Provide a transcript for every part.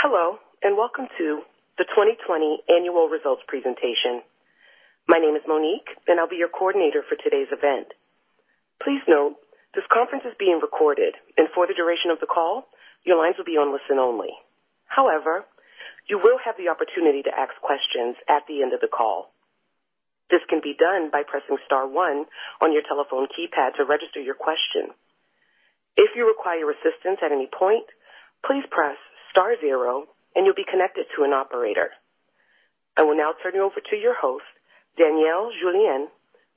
Hello, and welcome to the 2020 annual results presentation. My name is Monique, and I'll be your coordinator for today's event. Please note, this conference is being recorded, and for the duration of the call, your lines will be on listen only. However, you will have the opportunity to ask questions at the end of the call. This can be done by pressing star one on your telephone keypad to register your question. If you require assistance at any point, please press star zero and you'll be connected to an operator. I will now turn it over to your host, Daniel Julien,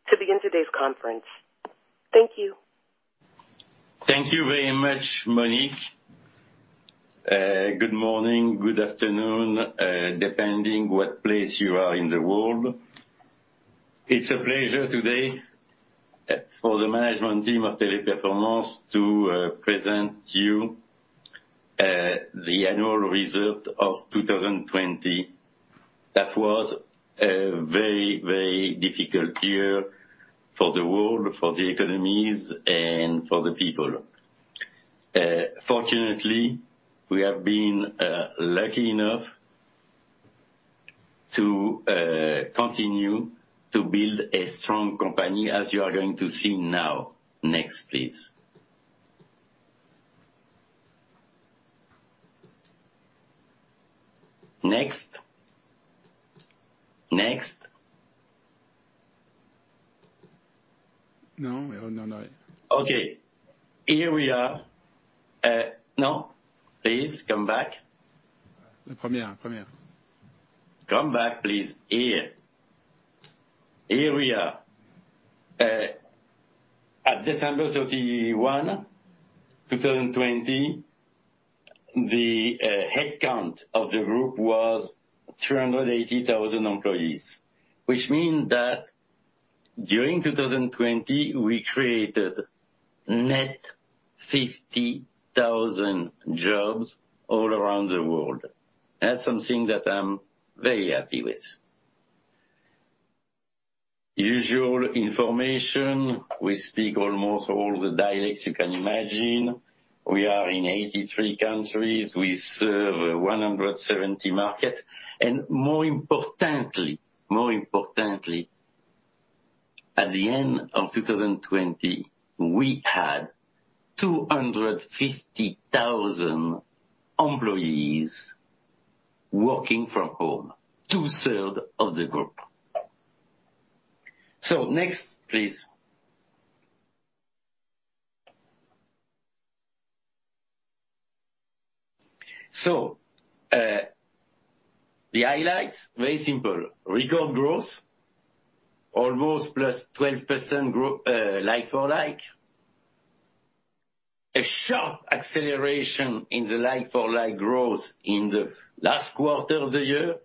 to begin today's conference. Thank you. Thank you very much, Monique. Good morning, good afternoon, depending what place you are in the world. It's a pleasure today for the management team of Teleperformance to present to you the annual result of 2020. That was a very, very difficult year for the world, for the economies, and for the people. Fortunately, we have been lucky enough to continue to build a strong company, as you are going to see now. Next, please. Next. Next. No. Okay. Here we are. No. Please come back. The premiere. Come back, please. Here we are. At December 31, 2020, the headcount of the group was 380,000 employees, which mean that during 2020, we created net 50,000 jobs all around the world. That's something that I'm very happy with. Usual information, we speak almost all the dialects you can imagine. We are in 83 countries. We serve 170 market. More importantly, at the end of 2020, we had 250,000 employees working from home, two-third of the group. Next, please. The highlights, very simple. Record growth, almost plus 12% like-for-like. A sharp acceleration in the like-for-like growth in the last quarter of the year,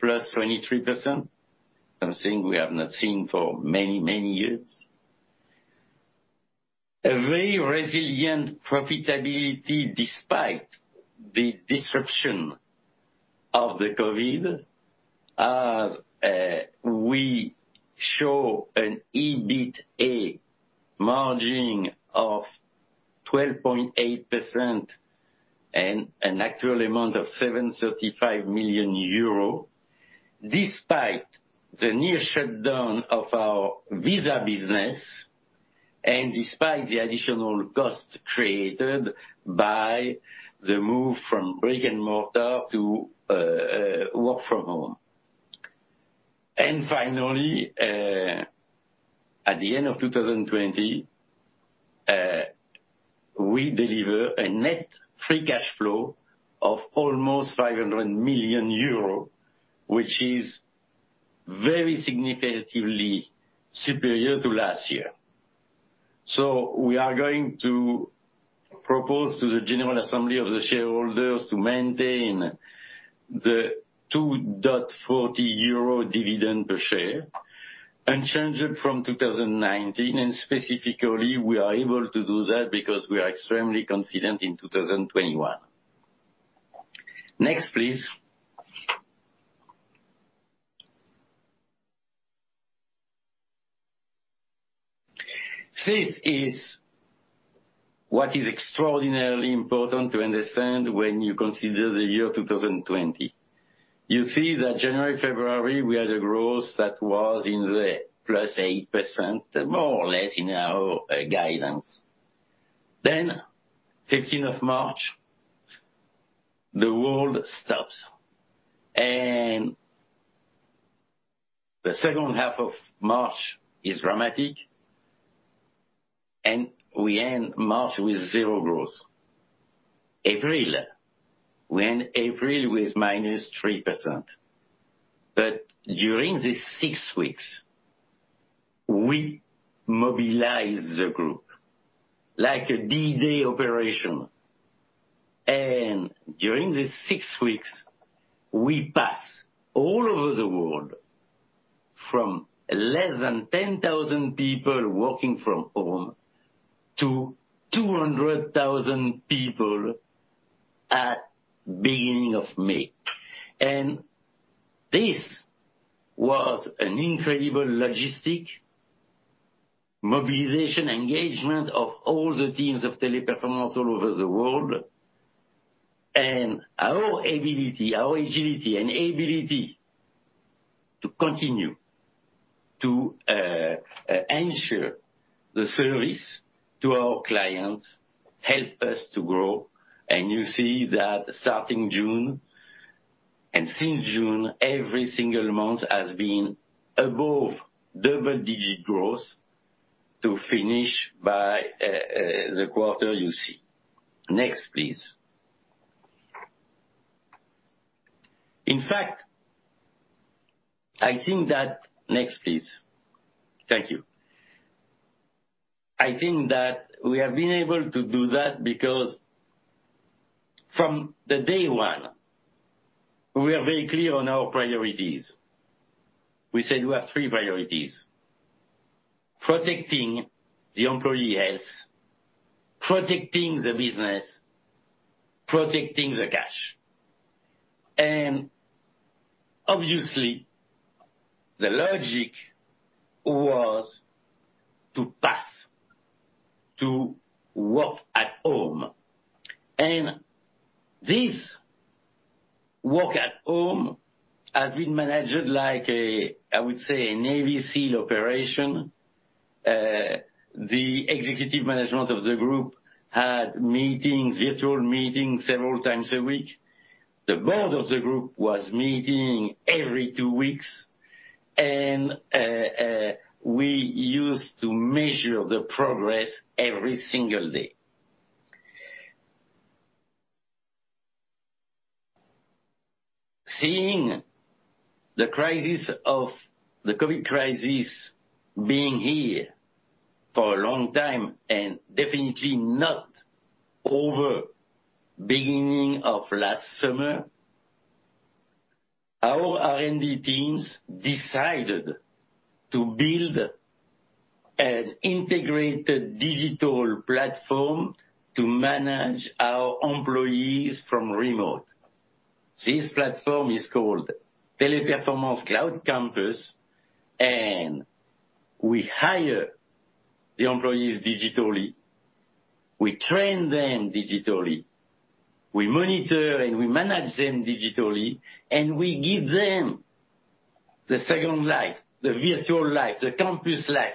plus 23%, something we have not seen for many years. A very resilient profitability despite the disruption of the COVID as we show an EBITDA margin of 12.8% and an actual amount of 735 million euro, despite the near shutdown of our visa business, despite the additional cost created by the move from brick and mortar to work from home. Finally, at the end of 2020, we deliver a net free cash flow of almost 500 million euro, which is very significantly superior to last year. We are going to propose to the general assembly of the shareholders to maintain the 2.40 euro dividend per share, unchanged from 2019. Specifically, we are able to do that because we are extremely confident in 2021. Next, please. This is what is extraordinarily important to understand when you consider the year 2020. You see that January, February, we had a growth that was in the +8%, more or less in our guidance. 15th of March, the world stops. The second half of March is dramatic, and we end March with 0 growth. April, we end April with -3%. During these 6 weeks, we mobilize the group like a D-Day operation. During these 6 weeks, we pass all over the world from less than 10,000 people working from home to 200,000 people at beginning of May. This was an incredible logistic mobilization, engagement of all the teams of Teleperformance all over the world, and our agility and ability to continue to ensure the service to our clients help us to grow. You see that starting June, and since June, every single month has been above double-digit growth to finish by the quarter you see. Next, please. Next, please. Thank you. I think that we have been able to do that because from day 1, we are very clear on our priorities. We said we have 3 priorities, protecting the employee health, protecting the business, protecting the cash. Obviously, the logic was to pass to work at home. This work at home has been managed like, I would say, a Navy SEAL operation. The executive management of the group had virtual meetings several times a week. The board of the group was meeting every two weeks, and we used to measure the progress every single day. Seeing the COVID crisis being here for a long time and definitely not over beginning of last summer, our R&D teams decided to build an integrated digital platform to manage our employees from remote. This platform is called Teleperformance Cloud Campus. We hire the employees digitally, we train them digitally, we monitor and we manage them digitally, and we give them the second life, the virtual life, the campus life,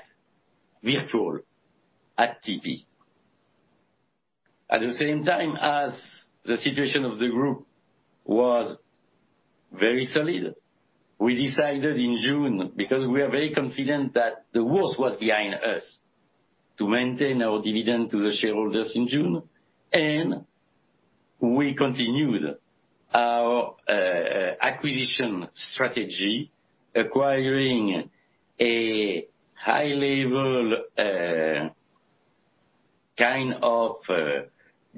virtual at TP. At the same time as the situation of the group was very solid, we decided in June, because we are very confident that the worst was behind us, to maintain our dividend to the shareholders in June. We continued our acquisition strategy, acquiring a high-level kind of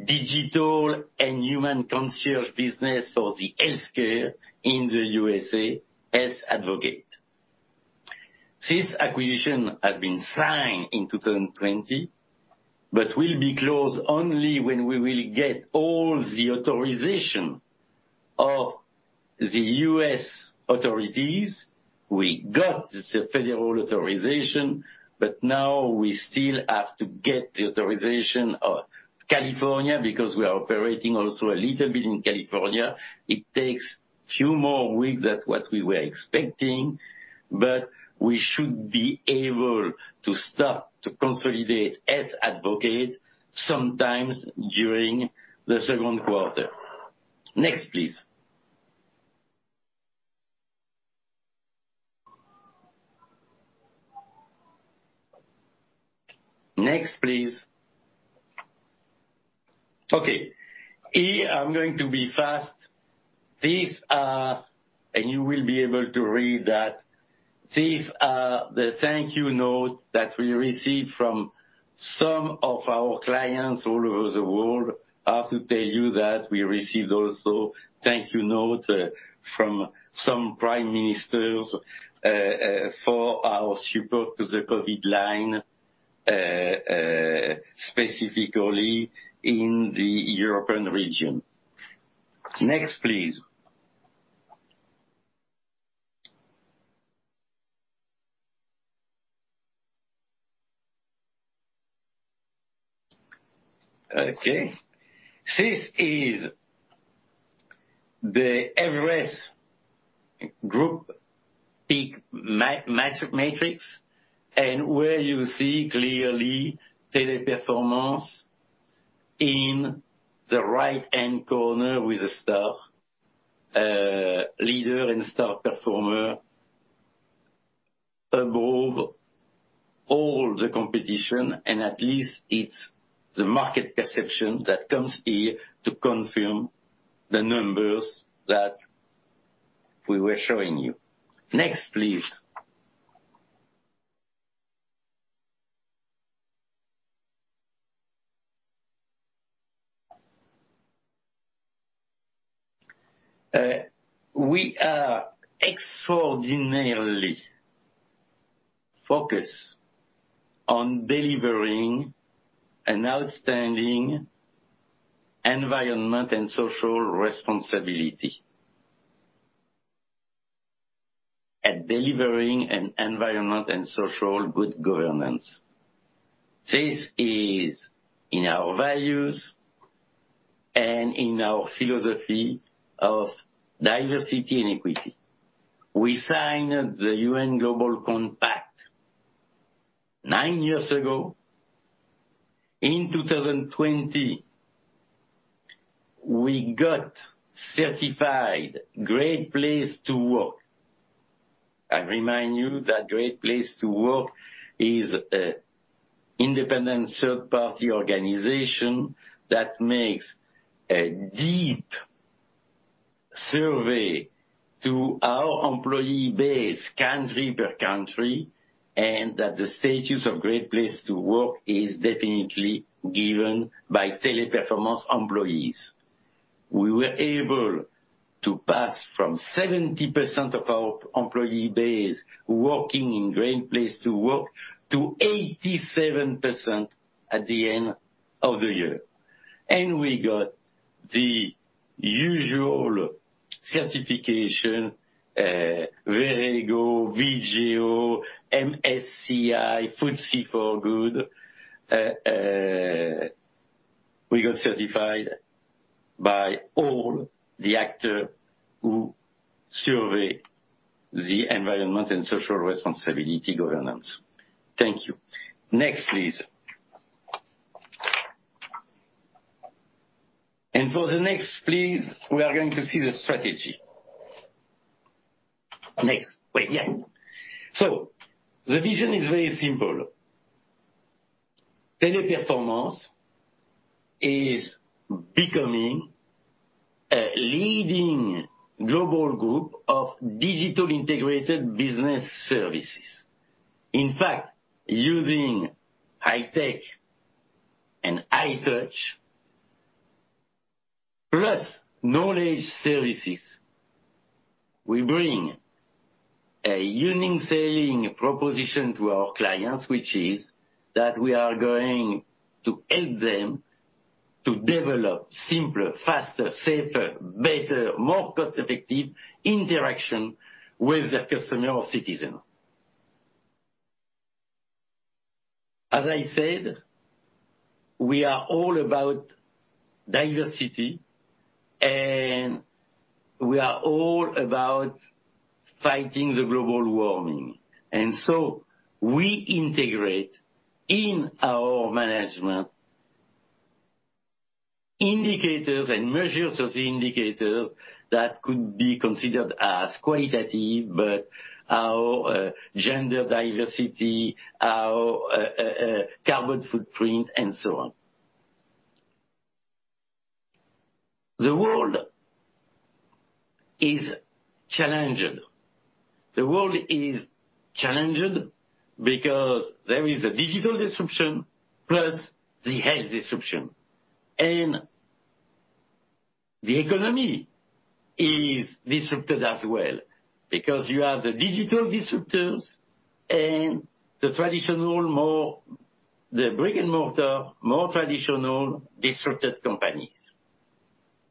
digital and human concierge business for the healthcare in the U.S.A. as Health Advocate. This acquisition has been signed in 2020, but will be closed only when we will get all the authorization of the U.S. authorities. We got the federal authorization. Now we still have to get the authorization of California because we are operating also a little bit in California. It takes few more weeks than what we were expecting, but we should be able to start to consolidate as Advocate sometimes during the second quarter. Next, please. Next, please. Okay. Here, I'm going to be fast. You will be able to read that. These are the thank you notes that we received from some of our clients all over the world. I have to tell you that we received also thank you note from some prime ministers for our support to the COVID line, specifically in the European region. Next, please. Okay. This is the Everest Group PEAK Matrix, and where you see clearly Teleperformance in the right-hand corner with a star, leader and star performer above all the competition, and at least it's the market perception that comes here to confirm the numbers that we were showing you. Next, please. We are extraordinarily focused on delivering an outstanding environment and social responsibility. At delivering an environment and social good governance. This is in our values and in our philosophy of diversity and equity. We signed the United Nations Global Compact nine years ago. In 2020, we got certified Great Place to Work. I remind you that Great Place to Work is a independent third-party organization that makes a deep survey to our employee base country per country, and that the status of Great Place to Work is definitely given by Teleperformance employees. We were able to pass from 70% of our employee base working in Great Place to Work to 87% at the end of the year. We got the usual certification, Verego, Vigeo, MSCI, FTSE4Good. We got certified by all the actor who survey the environment and social responsibility governance. Thank you. Next, please. For the next, please, we are going to see the strategy. Next. Wait, yeah. The vision is very simple. Teleperformance is becoming a leading global group of Digital Integrated Business Services. In fact, using high tech and high touch, plus knowledge services, we bring a unique selling proposition to our clients, which is that we are going to help them to develop simpler, faster, safer, better, more cost-effective interaction with the customer or citizen. As I said, we are all about diversity, and we are all about fighting the global warming. We integrate in our management indicators and measures of the indicators that could be considered as qualitative, but our gender diversity, our carbon footprint and so on. The world is challenged. The world is challenged because there is a digital disruption plus the health disruption. The economy is disrupted as well, because you have the digital disruptors and the traditional, more the brick-and-mortar, more traditional disrupted companies.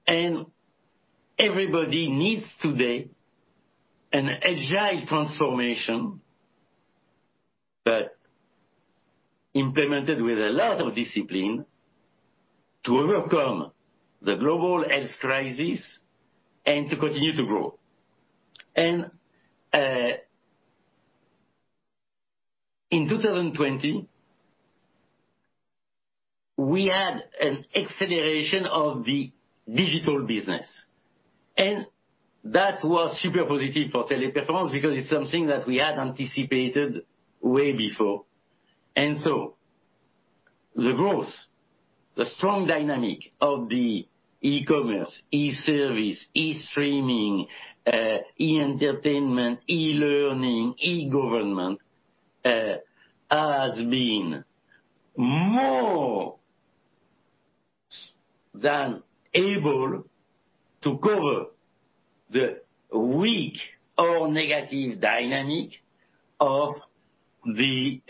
Everybody needs today an agile transformation that implemented with a lot of discipline to overcome the global health crisis and to continue to grow. In 2020, we had an acceleration of the digital business, and that was super positive for Teleperformance because it's something that we had anticipated way before. The growth, the strong dynamic of the e-commerce, e-service, e-streaming, e-entertainment, e-learning, e-government, has been more than able to cover the weak or negative dynamic of the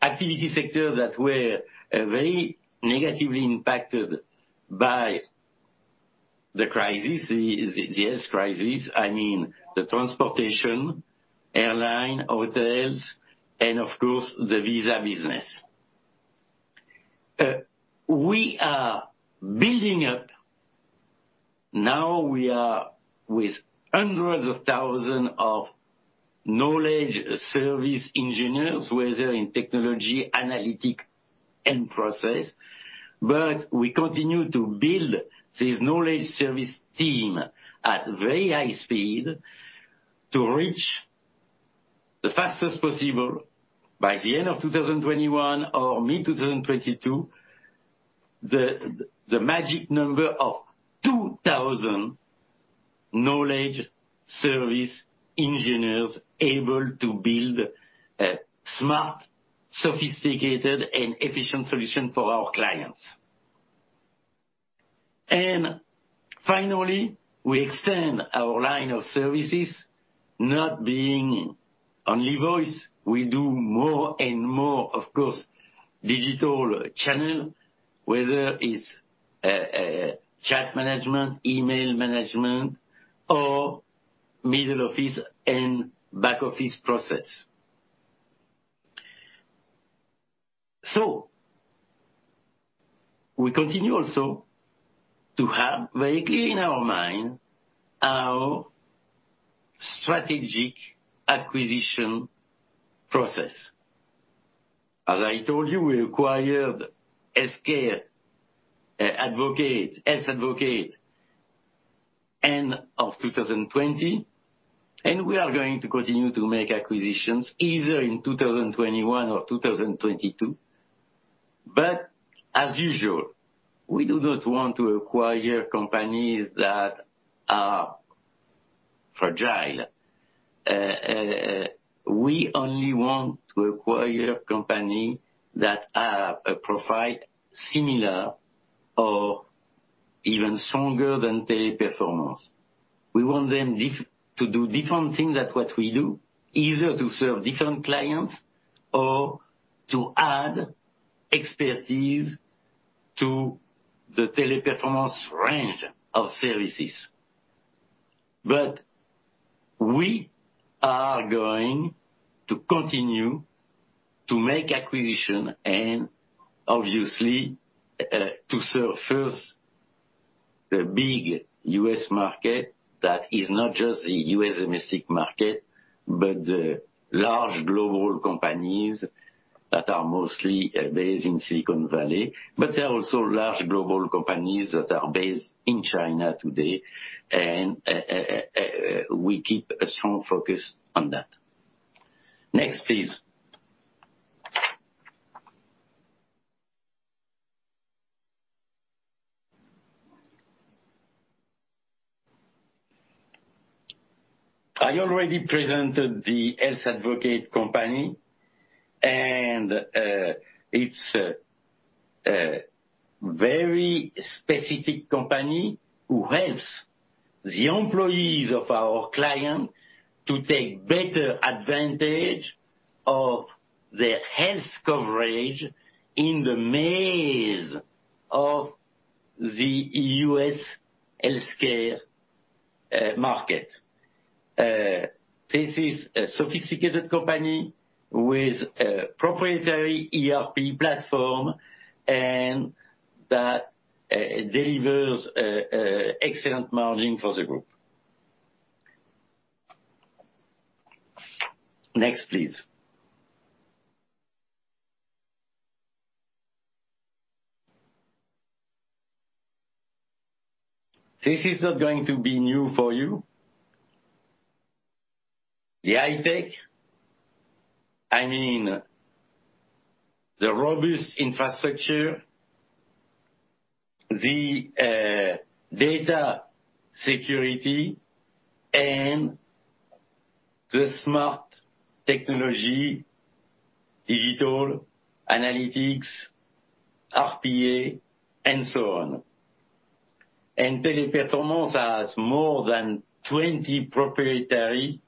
activity sector that were very negatively impacted by the crisis, the health crisis. I mean, the transportation, airline, hotels, and of course, the visa business. We are building up. Now we are with hundreds of thousand of knowledge service engineers, whether in technology, analytic and process. We continue to build this knowledge service team at very high speed to reach the fastest possible by the end of 2021 or mid-2022, the magic number of 2,000 knowledge service engineers able to build a smart, sophisticated and efficient solution for our clients. Finally, we extend our line of services, not being only voice. We do more and more, of course, digital channel, whether it's chat management, email management, or middle office and back office process. We continue also to have very clear in our mind our strategic acquisition process. As I told you, we acquired Health Advocate end of 2020, and we are going to continue to make acquisitions either in 2021 or 2022. As usual, we do not want to acquire companies that are fragile. We only want to acquire company that provide similar or even stronger than Teleperformance. We want them to do different things than what we do, either to serve different clients or to add expertise to the Teleperformance range of services. We are going to continue to make acquisition and obviously, to serve first the big U.S. market that is not just a U.S. domestic market, but the large global companies that are mostly based in Silicon Valley. There are also large global companies that are based in China today, and we keep a strong focus on that. Next, please. I already presented the Health Advocate company, and it's a very specific company who helps the employees of our client to take better advantage of their health coverage in the maze of the U.S. healthcare market. This is a sophisticated company with a proprietary ERP platform and that delivers excellent margin for the group. Next, please. This is not going to be new for you. The high-tech, I mean the robust infrastructure, the data security, the smart technology, digital analytics, RPA, and so on. Teleperformance has more than 20 proprietary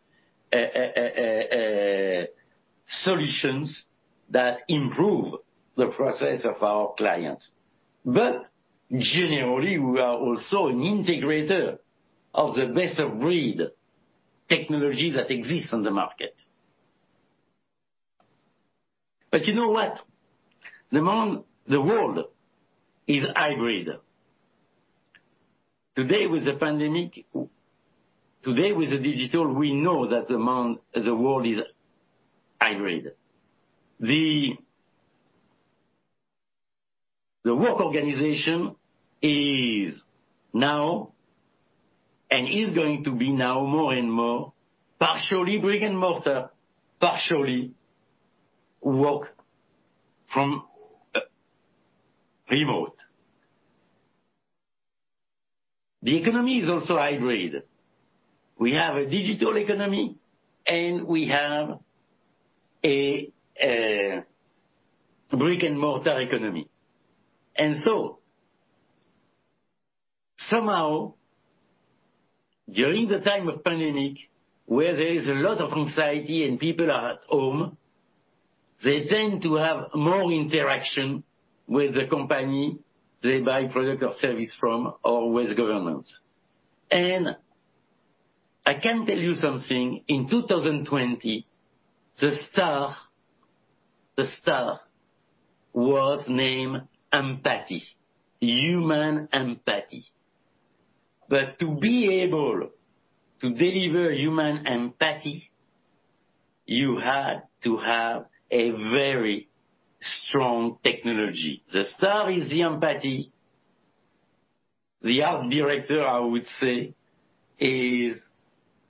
solutions that improve the process of our clients. Generally, we are also an integrator of the best of breed technology that exists on the market. You know what? The world is hybrid. Today with the pandemic, today with the digital, we know that the world is hybrid. The work organization is now and is going to be now more and more partially brick and mortar, partially work from remote. The economy is also hybrid. We have a digital economy, and we have a brick-and-mortar economy. Somehow during the time of pandemic, where there is a lot of anxiety and people are at home, they tend to have more interaction with the company they buy product or service from or with governments. I can tell you something, in 2020, the star was named empathy, human empathy. To be able to deliver human empathy, you had to have a very strong technology. The star is the empathy, the art director, I would say, is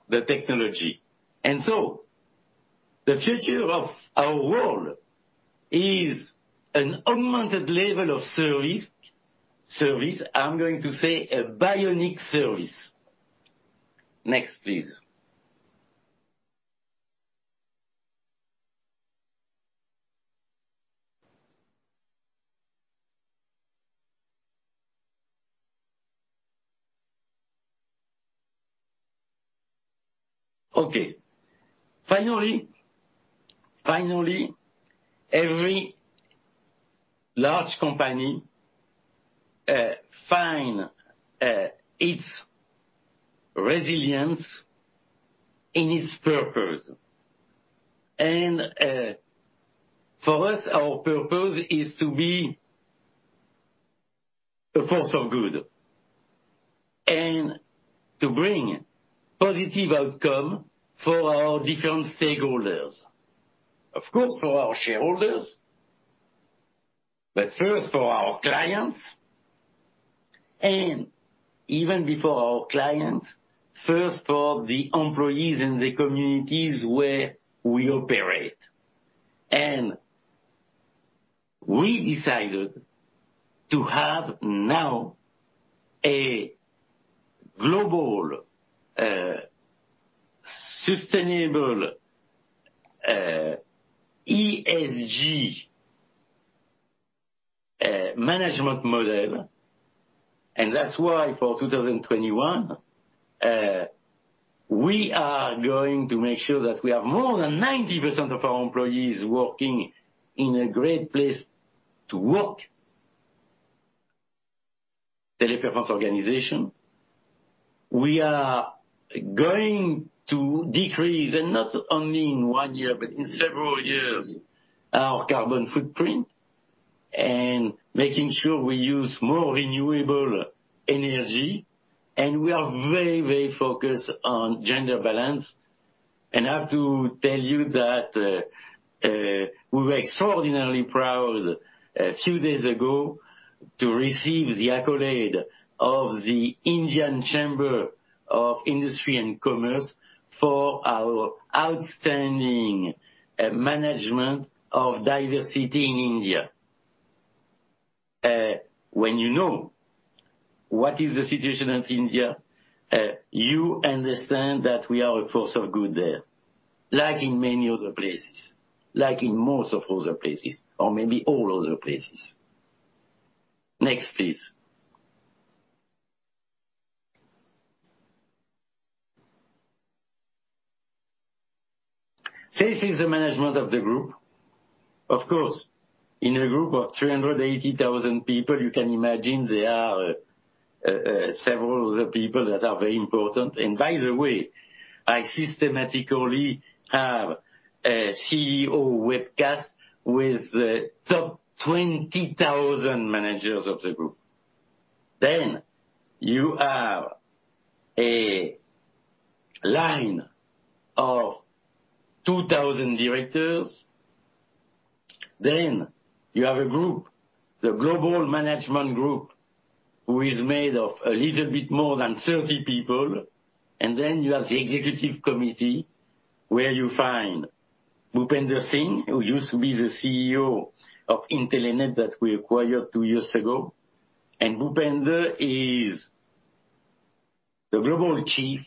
the technology. The future of our world is an augmented level of service, I am going to say a bionic service. Next, please. Okay. Finally, every large company find its resilience in its purpose. For us, our purpose is to be a force of good, and to bring positive outcome for our different stakeholders. Of course, for our shareholders, but first for our clients. Even before our clients, first for the employees in the communities where we operate. We decided to have now a global, sustainable, ESG management model. That's why for 2021, we are going to make sure that we have more than 90% of our employees working in a Great Place to Work Teleperformance organization. We are going to decrease, and not only in one year, but in several years, our carbon footprint, making sure we use more renewable energy. We are very focused on gender balance. I have to tell you that we were extraordinarily proud a few days ago to receive the accolade of the Indian Chamber of Commerce and Industry for our outstanding management of diversity in India. When you know what is the situation in India, you understand that we are a force of good there, like in many other places, like in most of other places, or maybe all other places. Next, please. This is the management of the group. Of course, in a group of 380,000 people, you can imagine there are several other people that are very important. By the way, I systematically have a CEO webcast with the top 20,000 managers of the group. You have a line of 2,000 directors. You have a group, the global management group, who is made of a little bit more than 30 people. You have the Executive Committee, where you find Bhupender Singh, who used to be the CEO of Intelenet that we acquired two years ago. Bhupender is the Global Chief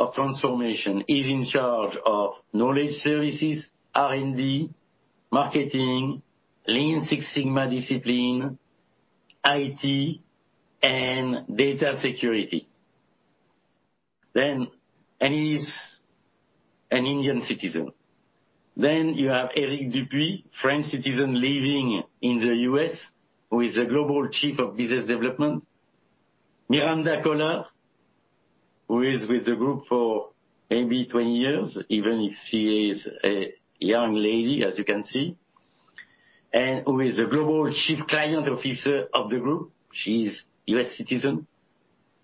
of Transformation. He's in charge of knowledge services, R&D, marketing, Lean Six Sigma discipline, IT, and data security. He is an Indian citizen. You have Eric Dupuy, French citizen living in the U.S., who is the Global Chief of Business Development. Miranda Collard, who is with the group for maybe 20 years, even if she is a young lady, as you can see, and who is the Global Chief Client Officer of the group. She's U.S. citizen.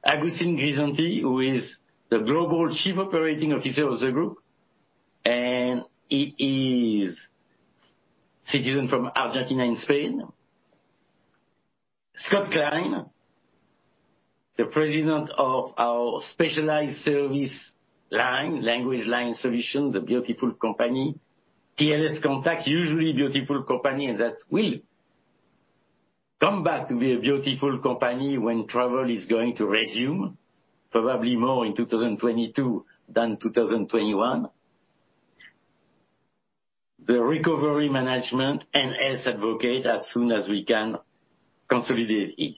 Agustin Grisanti, who is the Global Chief Operating Officer of the group, and he is citizen from Argentina and Spain. Scott Klein, the President of our specialized service line, LanguageLine Solutions, the beautiful company. TLScontact, usually beautiful company, and that will come back to be a beautiful company when travel is going to resume, probably more in 2022 than 2021. The recovery management and Health Advocate, as soon as we can consolidate it.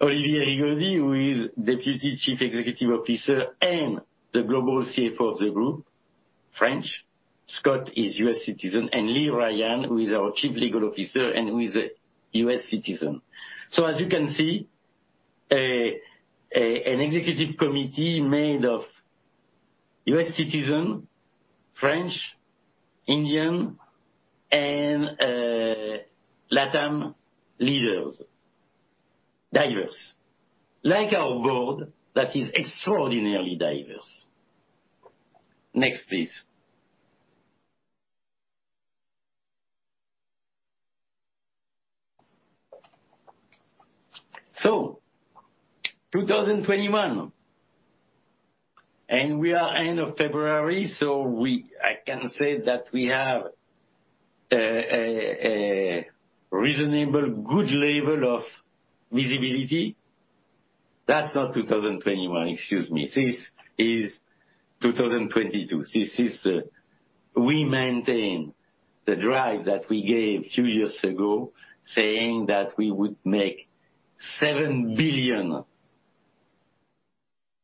Olivier Rigaudy, who is Deputy Chief Executive Officer and the Global CFO of the group, French. Scott is U.S. citizen. Leigh Ryan, who is our Chief Legal Officer, and who is a U.S. citizen. As you can see, an executive committee made of U.S. citizen, French, Indian, and LatAm leaders. Diverse. Like our board, that is extraordinarily diverse. Next, please. 2021. We are end of February, so I can say that we have a reasonable good level of visibility. That's not 2021, excuse me. This is 2022. We maintain the drive that we gave a few years ago, saying that we would make 7 billion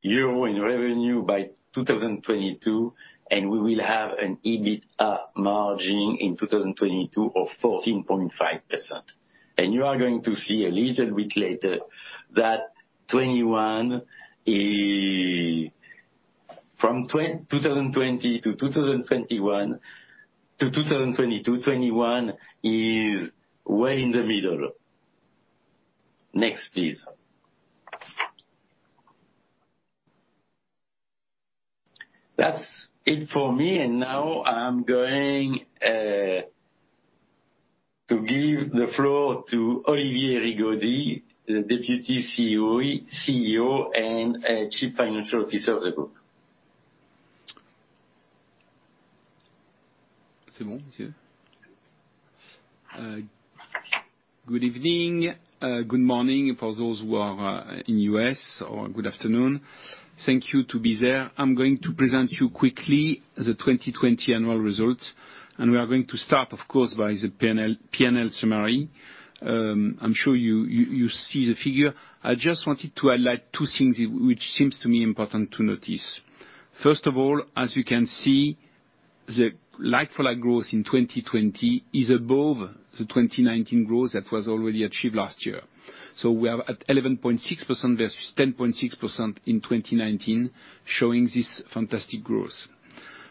euro in revenue by 2022, and we will have an EBITDA margin in 2022 of 14.5%. You are going to see a little bit later that from 2020 to 2021 to 2022, '21 is way in the middle. Next, please. That's it for me. Now I'm going to give the floor to Olivier Rigaudy, the Deputy CEO and Chief Financial Officer of the group. Good evening, good morning for those who are in U.S., or good afternoon. Thank you to be there. I'm going to present you quickly the 2020 annual results, and we are going to start, of course, by the P&L summary. I'm sure you see the figure. I just wanted to highlight two things which seems to me important to notice. First of all, as you can see, the like-for-like growth in 2020 is above the 2019 growth that was already achieved last year. We are at 11.6% versus 10.6% in 2019, showing this fantastic growth.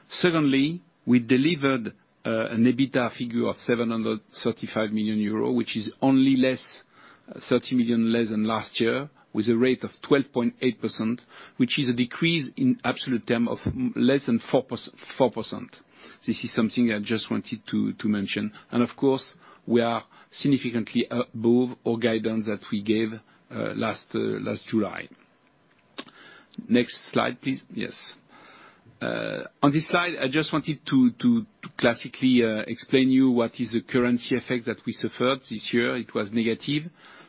Secondly, we delivered an EBITDA figure of 735 million euro, which is only 30 million less than last year, with a rate of 12.8%, which is a decrease in absolute term of less than 4%. This is something I just wanted to mention. Of course, we are significantly above all guidance that we gave last July. Next slide, please. Yes. On this slide, I just wanted to classically explain to you what is the currency effect that we suffered this year. It was negative,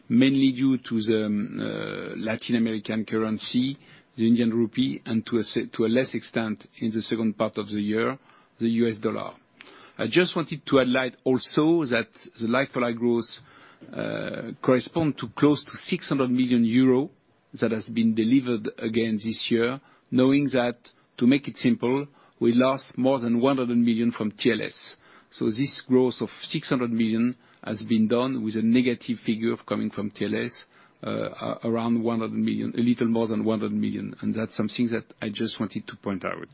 mainly due to the Latin American currency, the Indian rupee, and to a less extent in the second part of the year, the US dollar. I just wanted to highlight also that the like-for-like growth correspond to close to 600 million euros that has been delivered again this year, knowing that, to make it simple, we lost more than 100 million from TLS. This growth of 600 million has been done with a negative figure coming from TLS, a little more than 100 million. That's something that I just wanted to point out.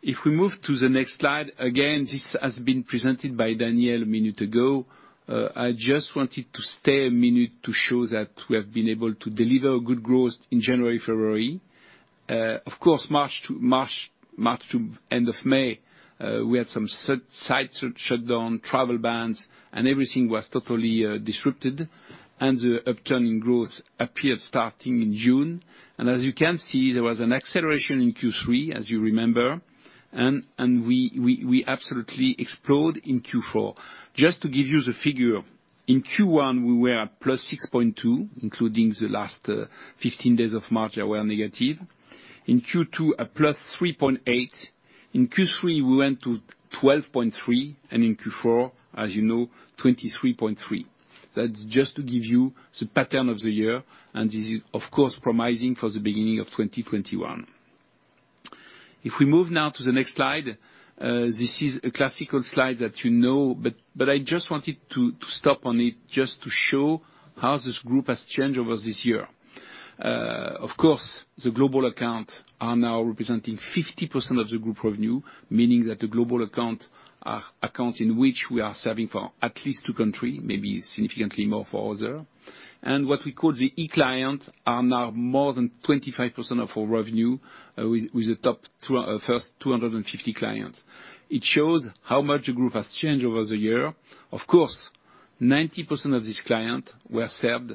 If we move to the next slide, again, this has been presented by Daniel a minute ago. I just wanted to stay a minute to show that we have been able to deliver good growth in January, February. Of course, March to end of May, we had some site shutdown, travel bans, and everything was totally disrupted. The upturn in growth appeared starting in June. As you can see, there was an acceleration in Q3, as you remember, and we absolutely explode in Q4. Just to give you the figure, in Q1, we were at +6.2%, including the last 15 days of March that were negative. In Q2, a +3.8%. In Q3, we went to 12.3%, and in Q4, as you know, 23.3%. That's just to give you the pattern of the year, and this is, of course, promising for the beginning of 2021. If we move now to the next slide. This is a classical slide that you know, but I just wanted to stop on it just to show how this group has changed over this year. Of course, the global accounts are now representing 50% of the group revenue, meaning that the global accounts are accounts in which we are serving for at least two country, maybe significantly more for other. What we call the e-client are now more than 25% of our revenue, with the top first 250 clients. It shows how much the group has changed over the year. Of course, 90% of these clients were served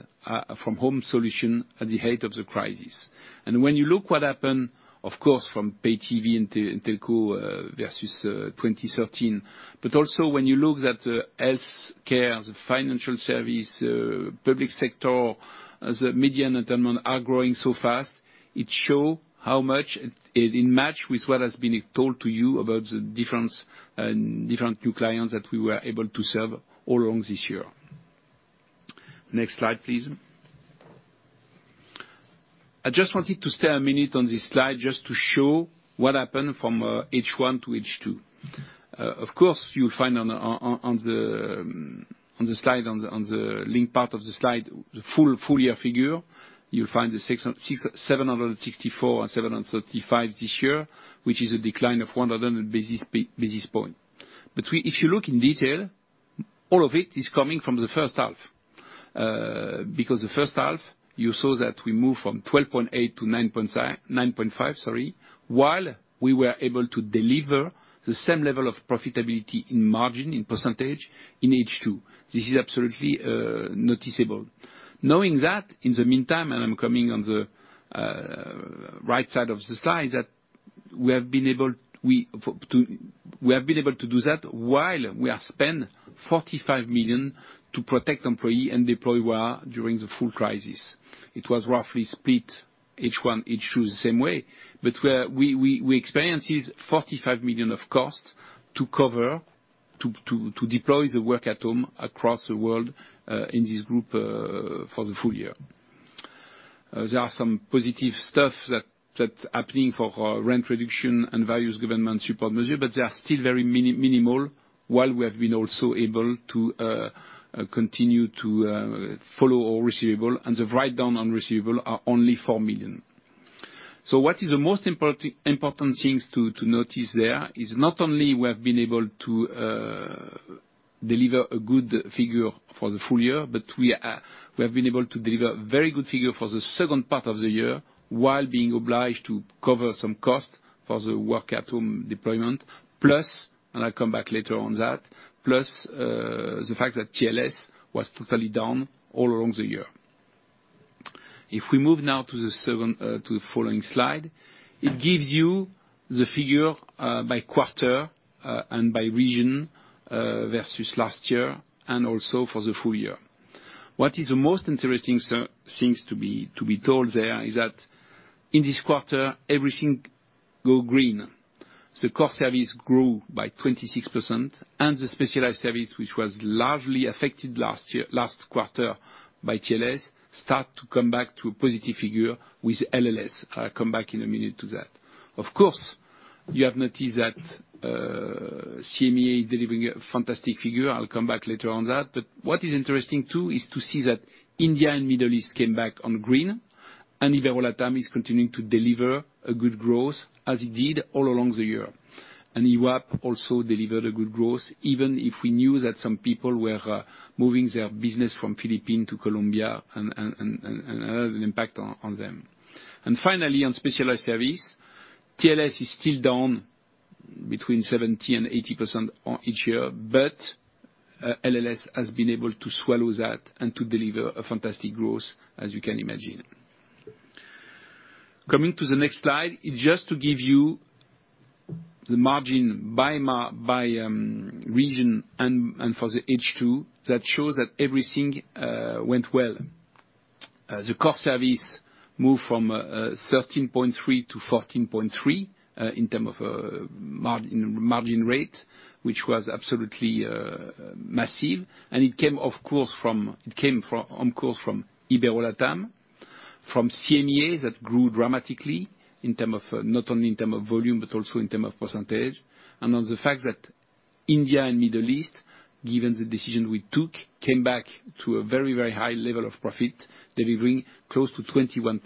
from home solution at the height of the crisis. When you look what happened, of course, from pay TV and telco versus 2013, but also when you look at the healthcare, the financial service, public sector, the media and entertainment are growing so fast, it show how much it match with what has been told to you about the different new clients that we were able to serve all along this year. Next slide, please. I just wanted to stay a minute on this slide just to show what happened from H1-H2. Of course, you'll find on the link part of the slide, the full year figure. You'll find the 764 and 735 this year, which is a decline of 100 basis points. If you look in detail, all of it is coming from the first half. The first half, you saw that we moved from 12.8-9.5 while we were able to deliver the same level of profitability in margin, in %, in H2. This is absolutely noticeable. Knowing that, in the meantime, and I'm coming on the right side of the slide, we have been able to do that while we have spent 45 million to protect employees and deploy during the full crisis. It was roughly split H1, H2 the same way. We experienced this 45 million of cost to cover, to deploy the work-at-home across the world in this group for the full year. There are some positive stuff that's happening for our rent reduction and various government support measures, but they are still very minimal, while we have been also able to continue to follow our receivables and the write-down on receivables are only 4 million. What is the most important things to notice there is not only we have been able to deliver a good figure for the full year, but we have been able to deliver very good figure for the second part of the year while being obliged to cover some cost for the work at home deployment. Plus, I'll come back later on that, plus the fact that TLS was totally down all along the year. If we move now to the following slide, it gives you the figure, by quarter and by region, versus last year, and also for the full year. What is the most interesting things to be told there is that in this quarter, everything go green. The core service grew by 26%, and the Specialized Services, which was largely affected last quarter by TLS, start to come back to a positive figure with LLS. I'll come back in a minute to that. Of course, you have noticed that CEMEA is delivering a fantastic figure. I'll come back later on that. What is interesting, too, is to see that India and Middle East came back on green. Ibero-LATAM is continuing to deliver a good growth as it did all along the year. EWAP also delivered a good growth, even if we knew that some people were moving their business from Philippines to Colombia and had an impact on them. Finally, on specialized service, TLS is still down between 70%-80% on each year. LLS has been able to swallow that and to deliver a fantastic growth, as you can imagine. Coming to the next slide, just to give you the margin by region and for the H2 that shows that everything went well. The core service moved from 13.3%-4.3% in terms of margin rate, which was absolutely massive. It came, on course from Ibero-LATAM, from CEMEA, that grew dramatically, not only in terms of volume, but also in terms of percentage. On the fact that India and Middle East, given the decision we took, came back to a very high level of profit, delivering close to 21%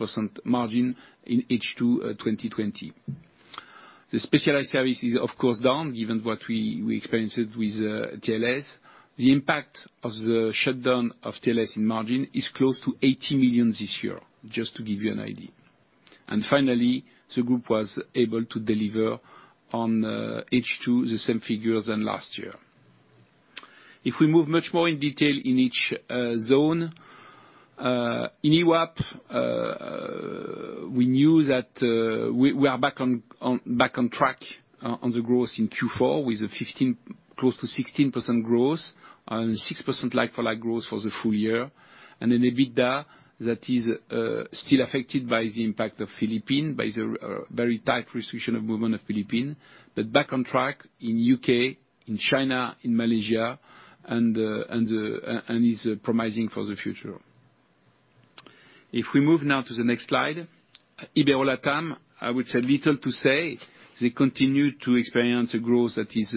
margin in H2 2020. The specialized service is, of course, down, given what we experienced with TLS. The impact of the shutdown of TLS in margin is close to 80 million this year, just to give you an idea. Finally, the group was able to deliver on H2 the same figures than last year. If we move much more in detail in each zone. In EWAP, we are back on track on the growth in Q4 with close to 16% growth and 6% like-for-like growth for the full year. An EBITDA that is still affected by the impact of Philippines, by the very tight restriction of movement of Philippines. Back on track in U.K., in China, in Malaysia, and is promising for the future. If we move now to the next slide, Ibero-LATAM, I would say little to say. They continue to experience a growth that is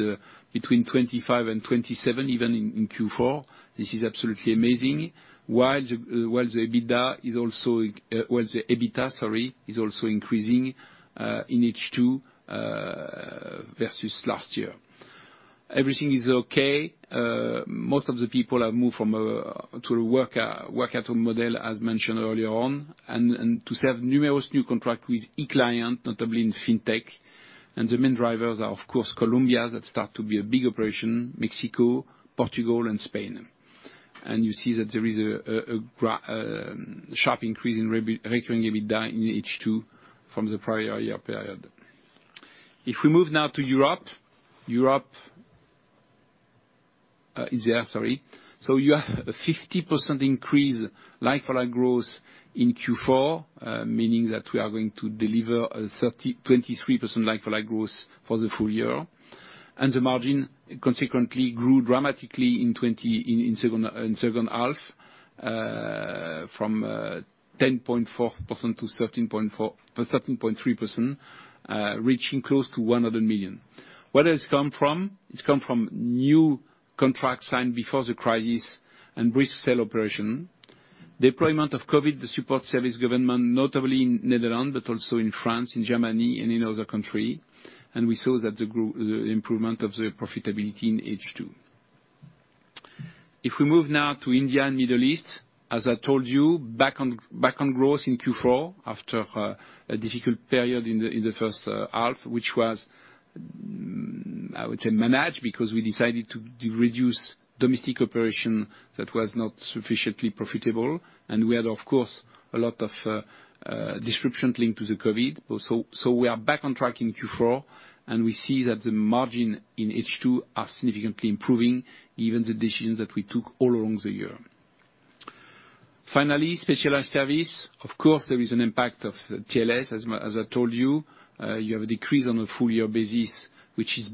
between 25% and 27%, even in Q4. This is absolutely amazing. While the EBITDA is also increasing in H2 versus last year. Everything is okay. Most of the people have moved to a work at home model, as mentioned earlier on, to serve numerous new contract with e-client, notably in FinTech. The main drivers are, of course, Colombia, that start to be a big operation, Mexico, Portugal and Spain. You see that there is a sharp increase in recurring EBITDA in H2 from the prior year period. If we move now to Europe. You have a 50% increase like-for-like growth in Q4, meaning that we are going to deliver a 23% like-for-like growth for the full year. The margin consequently grew dramatically in second half, from 10.4% to 13.3%, reaching close to 100 million. Where does this come from? It's come from new contracts signed before the crisis and brisk sale operation. Deployment of COVID, the support service government, notably in Netherlands, but also in France, in Germany and in other country. We saw that the improvement of the profitability in H2. If we move now to India and Middle East, as I told you, back on growth in Q4 after a difficult period in the first half, which was, I would say, managed, because we decided to reduce domestic operations that was not sufficiently profitable. We had, of course, a lot of disruption linked to the COVID. We are back on track in Q4, and we see that the margin in H2 are significantly improving, given the decisions that we took all along the year. Finally, Specialized Services. Of course, there is an impact of TLS. As I told you have a decrease on a full year basis, which is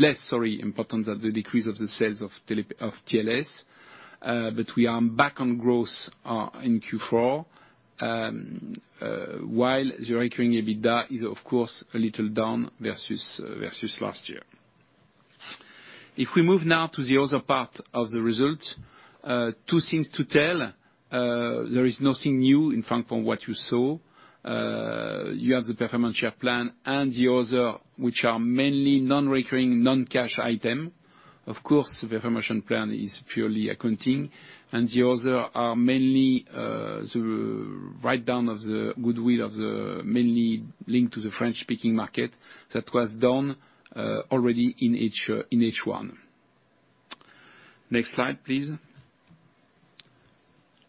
less important than the decrease of the sales of TLS. We are back on growth in Q4, while the recurring EBITDA is, of course, a little down versus last year. If we move now to the other part of the result, two things to tell. There is nothing new, in fact, from what you saw. You have the performance share plan and the other, which are mainly non-recurring, non-cash item. The other are mainly the write-down of the goodwill of the mainly linked to the French-speaking market that was done already in H1. Next slide, please.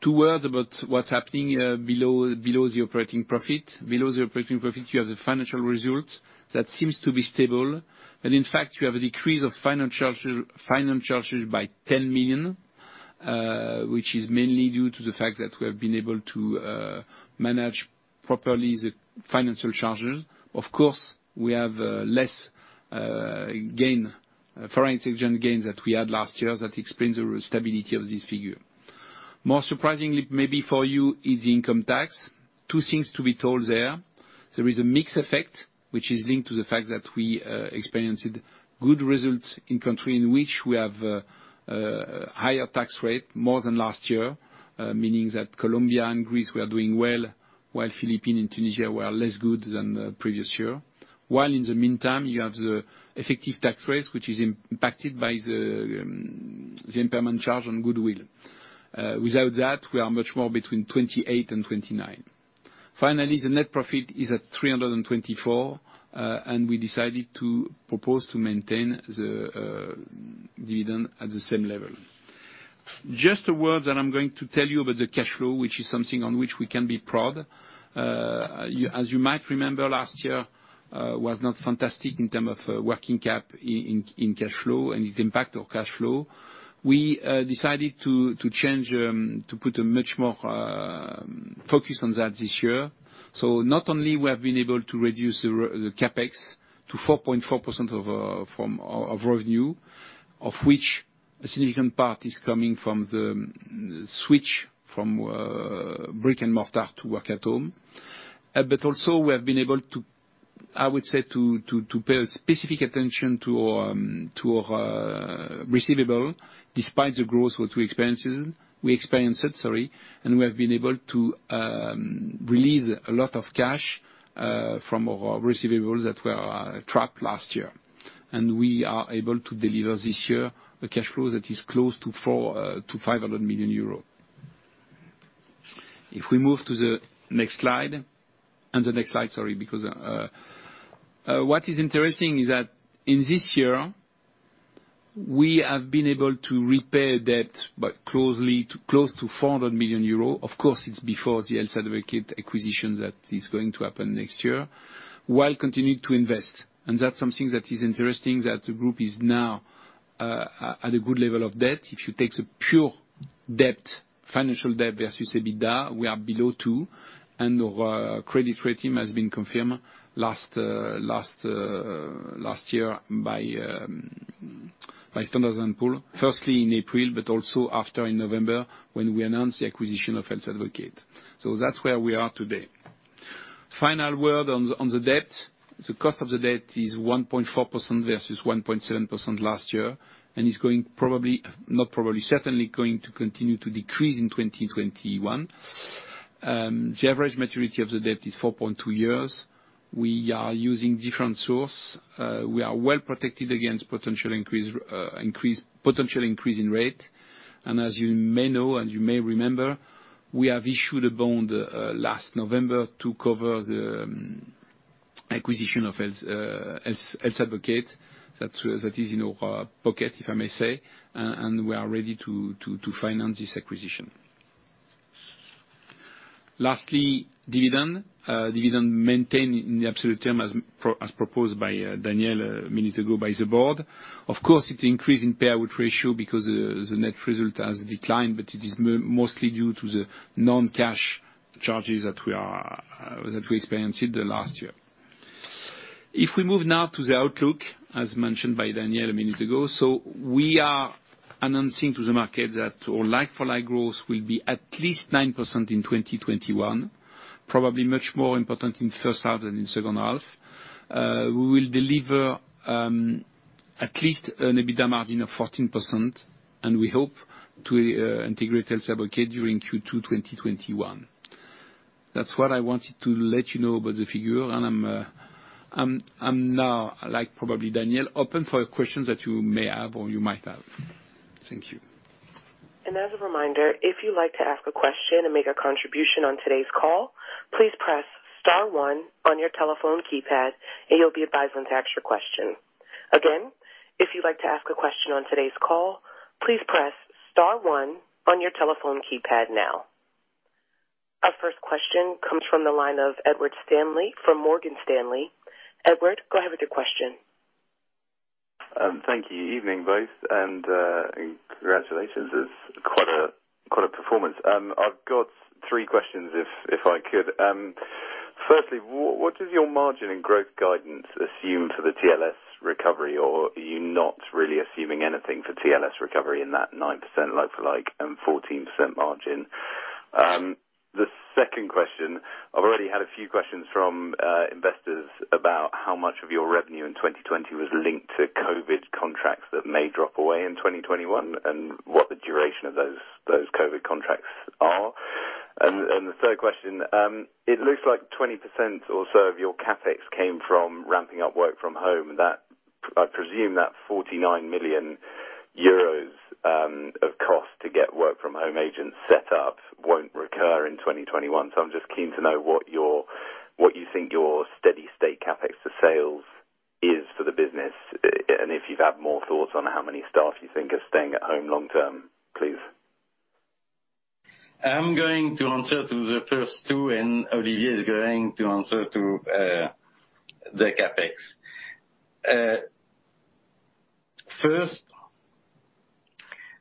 Two words about what's happening below the operating profit. Below the operating profit, you have the financial results. In fact, you have a decrease of financial charges by 10 million, which is mainly due to the fact that we have been able to manage properly the financial charges. Of course, we have less foreign exchange gain that we had last year. That explains the stability of this figure. More surprisingly, maybe for you, is the income tax. Two things to be told there. There is a mix effect, which is linked to the fact that we experienced good results in country in which we have higher tax rate, more than last year, meaning that Colombia and Greece, we are doing well, while Philippines and Tunisia were less good than the previous year. In the meantime, you have the effective tax rate, which is impacted by the impairment charge on goodwill. Without that, we are much more between 28 and 29. The net profit is at 324, and we decided to propose to maintain the dividend at the same level. Just a word that I'm going to tell you about the cash flow, which is something on which we can be proud. As you might remember, last year, was not fantastic in terms of working cap in cash flow. It impacted our cash flow. We decided to put a much more focus on that this year. Not only we have been able to reduce the CapEx to 4.4% of revenue, of which a significant part is coming from the switch from brick and mortar to work at home. Also we have been able to, I would say, to pay specific attention to our receivables, despite the growth gross expenses we experienced, we have been able to release a lot of cash from our receivables that were trapped last year. We are able to deliver this year a cash flow that is close to 500 million euros. If we move to the next slide. The next slide, sorry. What is interesting is that in this year, we have been able to repay debt close to 400 million euros, of course, it's before the Health Advocate acquisition that is going to happen next year, while continuing to invest. That's something that is interesting, that the group is now at a good level of debt. If you take the pure debt, financial debt versus EBITDA, we are below two, and our credit rating has been confirmed last year by Standard & Poor's, firstly in April, but also after in November, when we announced the acquisition of Health Advocate. That's where we are today. Final word on the debt. The cost of the debt is 1.4% versus 1.7% last year and is certainly going to continue to decrease in 2021. The average maturity of the debt is 4.2 years. We are using different source. We are well protected against potential increase in rate. As you may know and you may remember, we have issued a bond last November to cover the acquisition of Health Advocate. That is in our pocket, if I may say, and we are ready to finance this acquisition. Lastly, dividend. Dividend maintained in the absolute term as proposed by Daniel a minute ago by the board. It increase in payout ratio because the net result has declined, but it is mostly due to the non-cash charges that we experienced last year. We move now to the outlook, as mentioned by Daniel a minute ago. We are announcing to the market that our like-for-like growth will be at least 9% in 2021, probably much more important in the first half than in second half. We will deliver at least an EBITDA margin of 14%, and we hope to integrate Health Advocate during Q2 2021. That's what I wanted to let you know about the figure, and I'm now, like probably Daniel, open for questions that you may have or you might have. Thank you. As a reminder, if you'd like to ask a question and make a contribution on today's call, please press star one on your telephone keypad and you'll be advised when to ask your question. If you'd like to ask a question on today's call, please press star one on your telephone keypad now. Our first question comes from the line of Ed Stanley from Morgan Stanley. Edward, go ahead with your question. Thank you. Evening, both, and congratulations. It's quite a performance. I've got three questions, if I could. Firstly, what does your margin and growth guidance assume for the TLS recovery, or are you not really assuming anything for TLS recovery in that 9% like-for-like and 14% margin? The second question, I've already had a few questions from investors about how much of your revenue in 2020 was linked to COVID contracts that may drop away in 2021, and what the duration of those COVID contracts are. The third question, it looks like 20% or so of your CapEx came from ramping up work from home. I presume that 49 million euros of cost to get work-from-home agents set up won't recur in 2021. I'm just keen to know what you think your steady state CapEx to sales is for the business, and if you've had more thoughts on how many staff you think are staying at home long term, please. I'm going to answer to the first two, and Olivier is going to answer to the CapEx. First,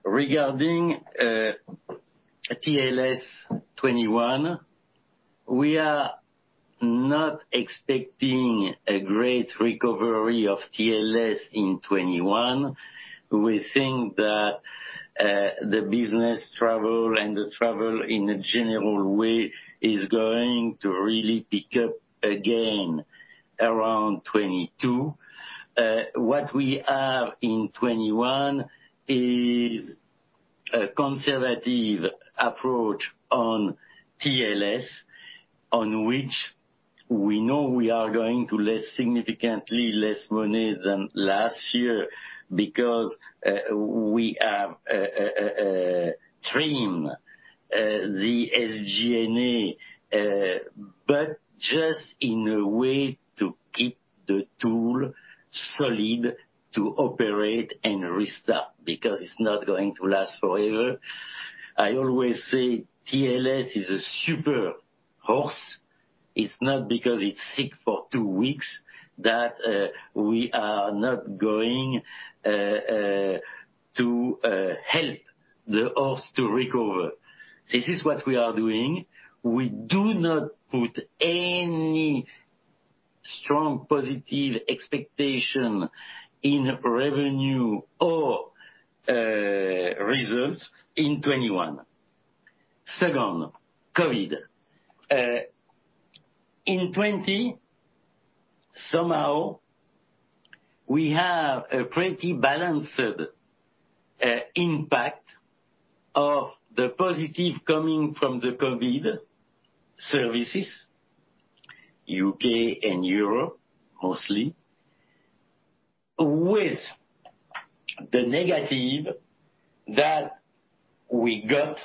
regarding TLS 2021, we are not expecting a great recovery of TLS in 2021. We think that the business travel and the travel in a general way is going to really pick up again around 2022. What we have in 2021 is a conservative approach on TLS, on which we know we are going to less significantly less money than last year because we have trimmed the SG&A, but just in a way to keep the tool solid to operate and restart, because it's not going to last forever. I always say TLS is a super horse. It's not because it's sick for two weeks that we are not going to help the horse to recover. This is what we are doing. We do not put any strong positive expectation in revenue or results in 2021. COVID. In 2020, somehow, we have a pretty balanced impact of the positive coming from the COVID services, U.K. and Europe mostly, with the negative that we got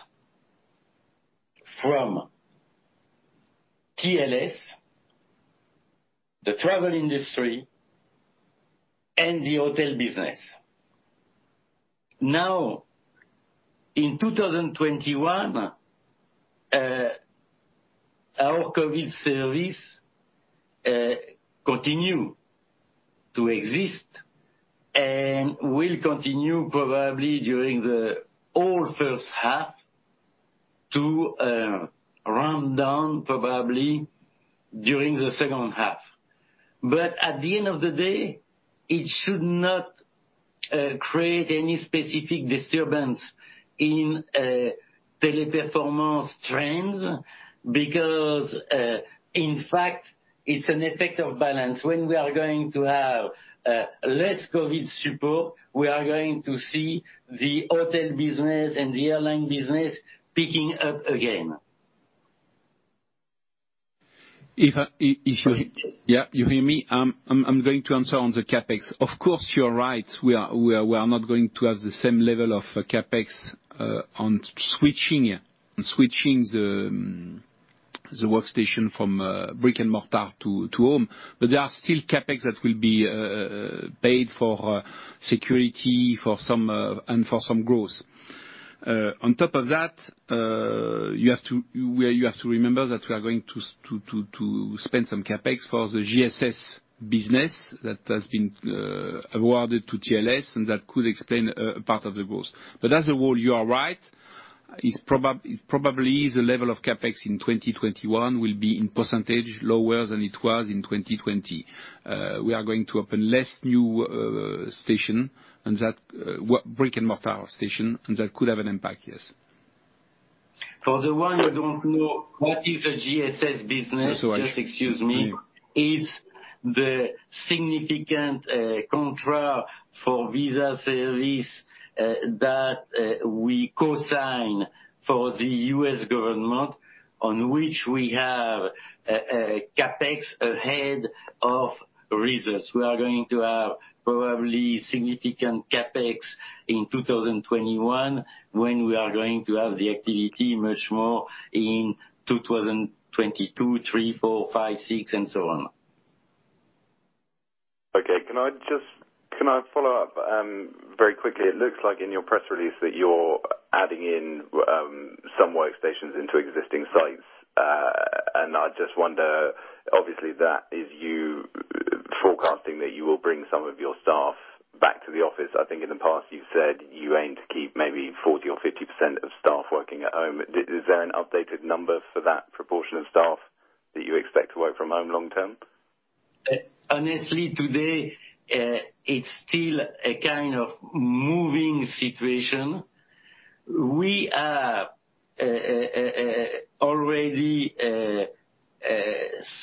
from TLS, the travel industry, and the hotel business. In 2021, our COVID service continue to exist and will continue probably during the all first half to ramp down, probably during the second half. At the end of the day, it should not create any specific disturbance in Teleperformance trends, because, in fact, it's an effect of balance. When we are going to have less COVID support, we are going to see the hotel business and the airline business picking up again. If I- Sorry. Yeah, you hear me? I'm going to answer on the CapEx. Of course, you're right. We are not going to have the same level of CapEx on switching the workstation from brick and mortar to home. There are still CapEx that will be paid for security and for some growth. On top of that, you have to remember that we are going to spend some CapEx for the GSS business that has been awarded to TLS, and that could explain a part of the growth. As a whole, you are right. It probably is a level of CapEx in 2021 will be in % lower than it was in 2020. We are going to open less new station, brick and mortar station, and that could have an impact, yes. For the one who don't know what is a GSS business. So I'll- Just excuse me. Yeah. The significant contract for visa service that we co-sign for the U.S. government on which we have a CapEx ahead of results. We are going to have probably significant CapEx in 2021 when we are going to have the activity much more in 2022, 2023, 2024, 2025, 2026, and so on. Okay. Can I follow up very quickly? It looks like in your press release that you're adding in some workstations into existing sites. I just wonder, obviously, that is you forecasting that you will bring some of your staff back to the office. I think in the past you've said you aim to keep maybe 40% or 50% of staff working at home. Is there an updated number for that proportion of staff that you expect to work from home long term? Honestly, today, it's still a kind of moving situation. We have already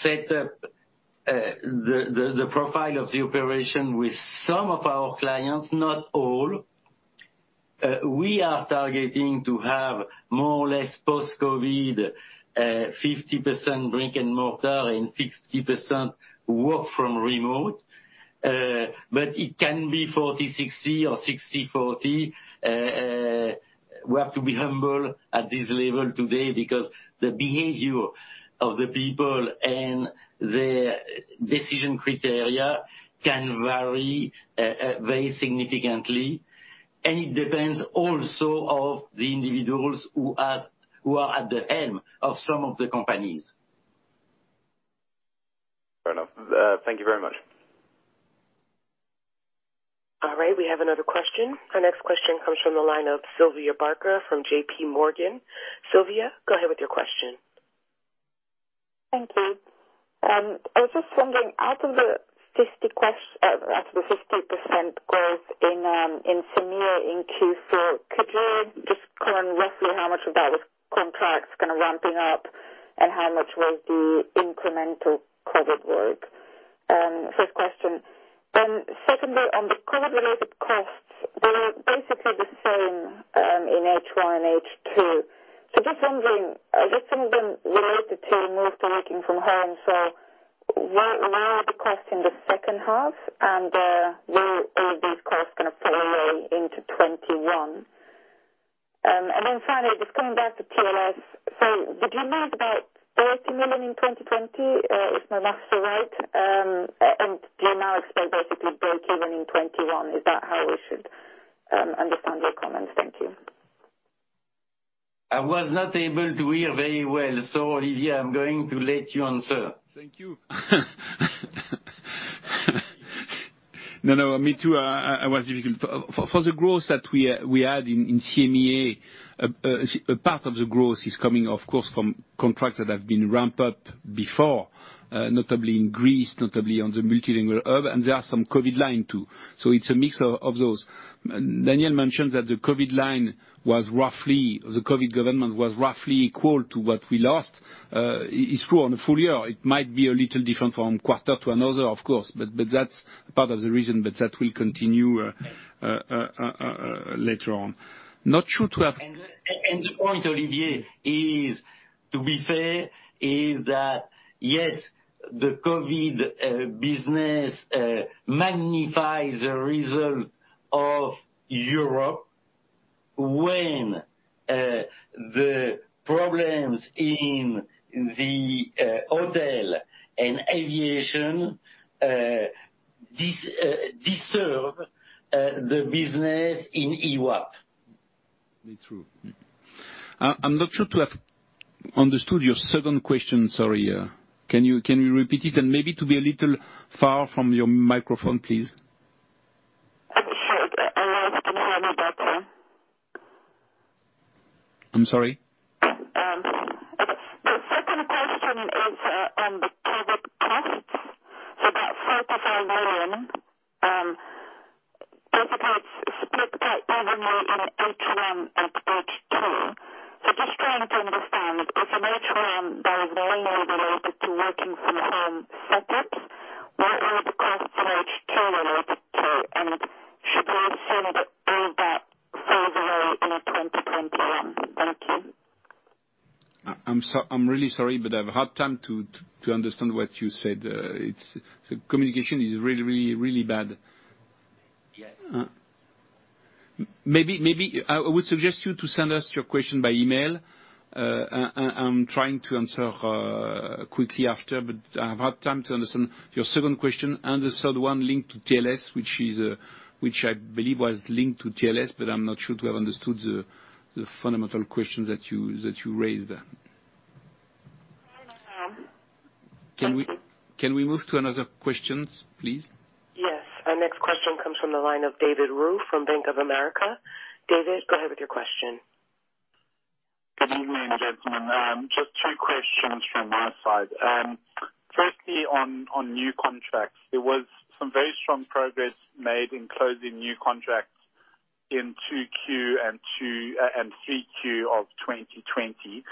set up the profile of the operation with some of our clients, not all. We are targeting to have more or less post-COVID, 50% brick and mortar and 50% work from remote. It can be 40/60 or 60/40. We have to be humble at this level today because the behavior of the people and their decision criteria can vary very significantly, and it depends also of the individuals who are at the helm of some of the companies. Fair enough. Thank you very much. All right. We have another question. Our next question comes from the line of Sylvia Barker from JPMorgan. Sylvia, go ahead with your question. Thank you. I was just wondering, out of the 50% growth in CEMEA in Q4, could you just comment roughly how much of that was contracts kind of ramping up and how much was the incremental COVID work? First question. Secondly, on the COVID-related costs, they were basically the same in H1 and H2. Just wondering, some of them related to move to working from home, will they now be a cost in the second half and will all these costs kind of fall away into 2021? Finally, just coming back to TLS. Did you make about 30 million in 2020, if my maths are right? Do you now expect basically breakeven in 2021? Is that how we should understand your comments? Thank you. I was not able to hear very well. Olivier, I'm going to let you answer. Thank you. No, me too. For the growth that we had in CEMEA, a part of the growth is coming, of course, from contracts that have been ramped up before, notably in Greece, notably on the multilingual hub, and there are some COVID line too. It's a mix of those. Daniel mentioned that the COVID government was roughly equal to what we lost. It's true on a full year. It might be a little different from quarter to another, of course, but that's part of the reason. That will continue later on. The point, Olivier, to be fair, is that, yes, the COVID business magnifies the result of Europe when the problems in the hotel and aviation deserve the business in EWAP. It's true. I'm not sure to have understood your second question, sorry. Can you repeat it and maybe to be a little far from your microphone, please? Sure. I'm sorry? The second question is on the COVID costs, so that EUR 35 million. Basically it's split evenly in H1 and H2. Just trying to understand if in H1 that was mainly related to working from home setups, what are the costs in H2 related to? Should we assume that all that falls away in 2021? Thank you. I'm really sorry, but I've hard time to understand what you said. The communication is really bad. Yeah. Maybe I would suggest you to send us your question by email. I'm trying to answer quickly after, but I've hard time to understand your second question and the third one linked to TLS, which I believe was linked to TLS, but I'm not sure to have understood the fundamental questions that you raised there. Can we move to another questions, please? Yes. Our next question comes from the line of David Ruff from Bank of America. David, go ahead with your question. Good evening, gentlemen. Just two questions from my side. Firstly, on new contracts. There was some very strong progress made in closing new contracts in 2Q and 3Q of 2020.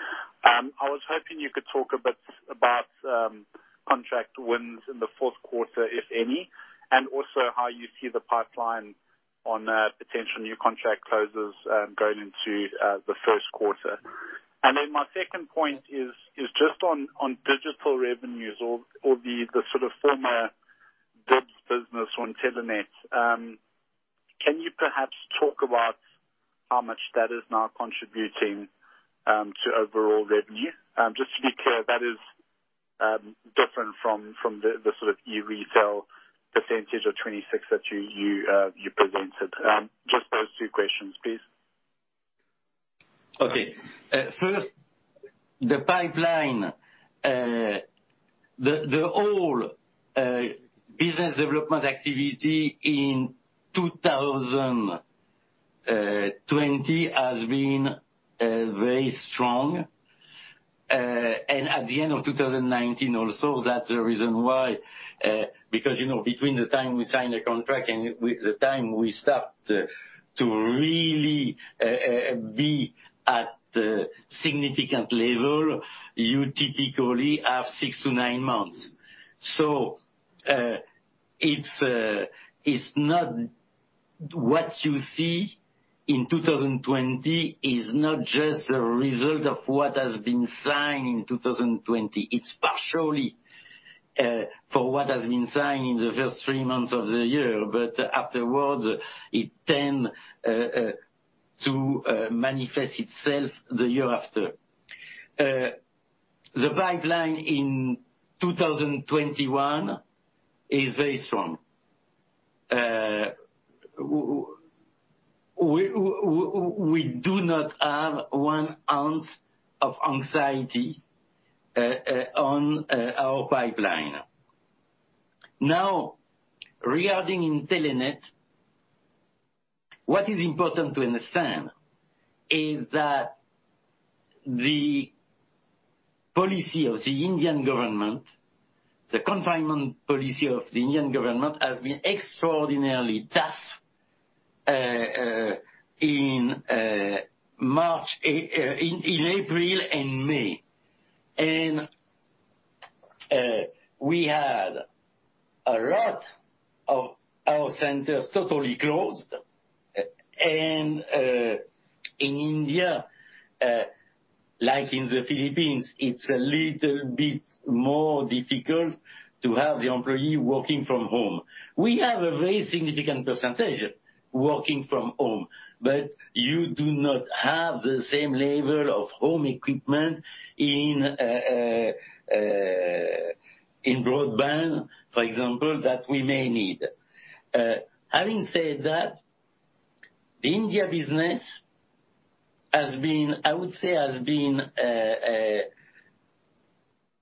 I was hoping you could talk a bit about contract wins in the fourth quarter, if any, and also how you see the pipeline on potential new contract closes going into the first quarter. My second point is just on digital revenues or the former D.I.B.S. business on Intelenet. Can you perhaps talk about how much that is now contributing to overall revenue? Just to be clear, that is different from the e-client percentage of 26% that you presented. Just those two questions, please. Okay. First, the pipeline. The whole business development activity in 2020 has been very strong. At the end of 2019 also, that's the reason why, because between the time we sign a contract and the time we start to really be at significant level, you typically have six to nine months. What you see in 2020 is not just a result of what has been signed in 2020. It's partially for what has been signed in the first three months of the year, afterwards, it tend to manifest itself the year after. The pipeline in 2021 is very strong. We do not have one ounce of anxiety on our pipeline. Now, regarding Intelenet, what is important to understand is that the policy of the Indian government, the confinement policy of the Indian government, has been extraordinarily tough in April and May. We had a lot of our centers totally closed. In India, like in the Philippines, it's a little bit more difficult to have the employee working from home. We have a very significant percentage working from home, but you do not have the same level of home equipment in broadband, for example, that we may need. Having said that, the India business, I would say, has been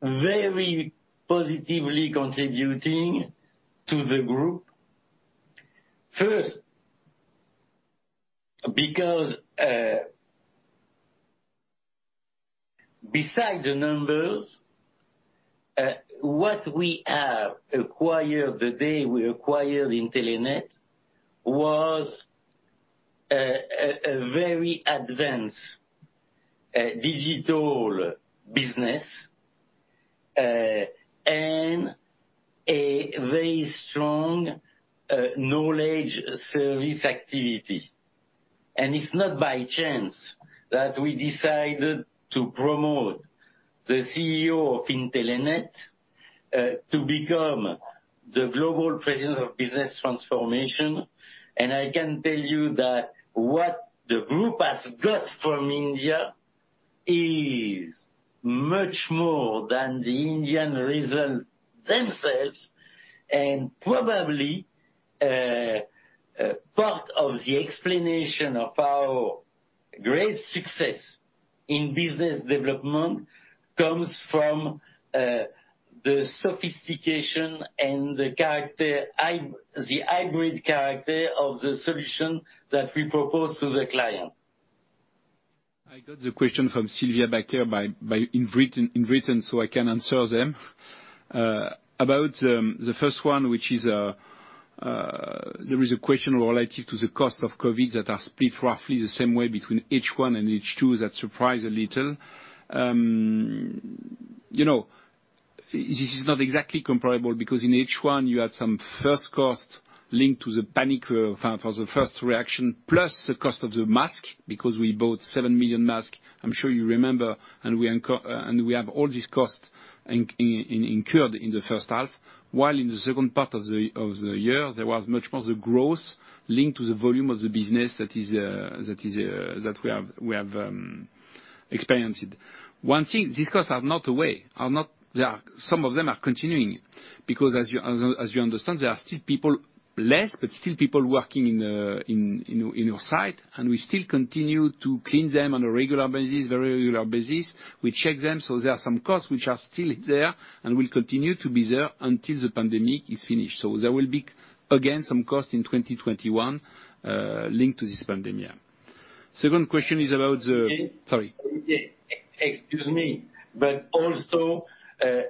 very positively contributing to the group. First, because beside the numbers, what we have acquired the day we acquired Intelenet was a very advanced digital business, and a very strong knowledge service activity. It's not by chance that we decided to promote the CEO of Intelenet to become the Global President of Business Transformation. I can tell you that what the group has got from India is much more than the Indian results themselves, and probably part of the explanation of our great success in business development comes from the sophistication and the hybrid character of the solution that we propose to the client. I got the question from Sylvia back here in written, so I can answer them. About the first one, there is a question related to the cost of COVID that are split roughly the same way between H1 and H2 that surprise a little. This is not exactly comparable because in H1, you had some first cost linked to the panic for the first reaction, plus the cost of the mask, because we bought 7 million mask, I'm sure you remember, and we have all these cost incurred in the first half, while in the second part of the year, there was much more of the growth linked to the volume of the business that we have experienced. One thing, these costs are not away. Some of them are continuing, because as you understand, there are still people, less, but still people working in your site, and we still continue to clean them on a very regular basis. We check them. There are some costs which are still there, and will continue to be there until the pandemic is finished. There will be, again, some cost in 2021, linked to this pandemic. Second question is about the- Excuse me. Also,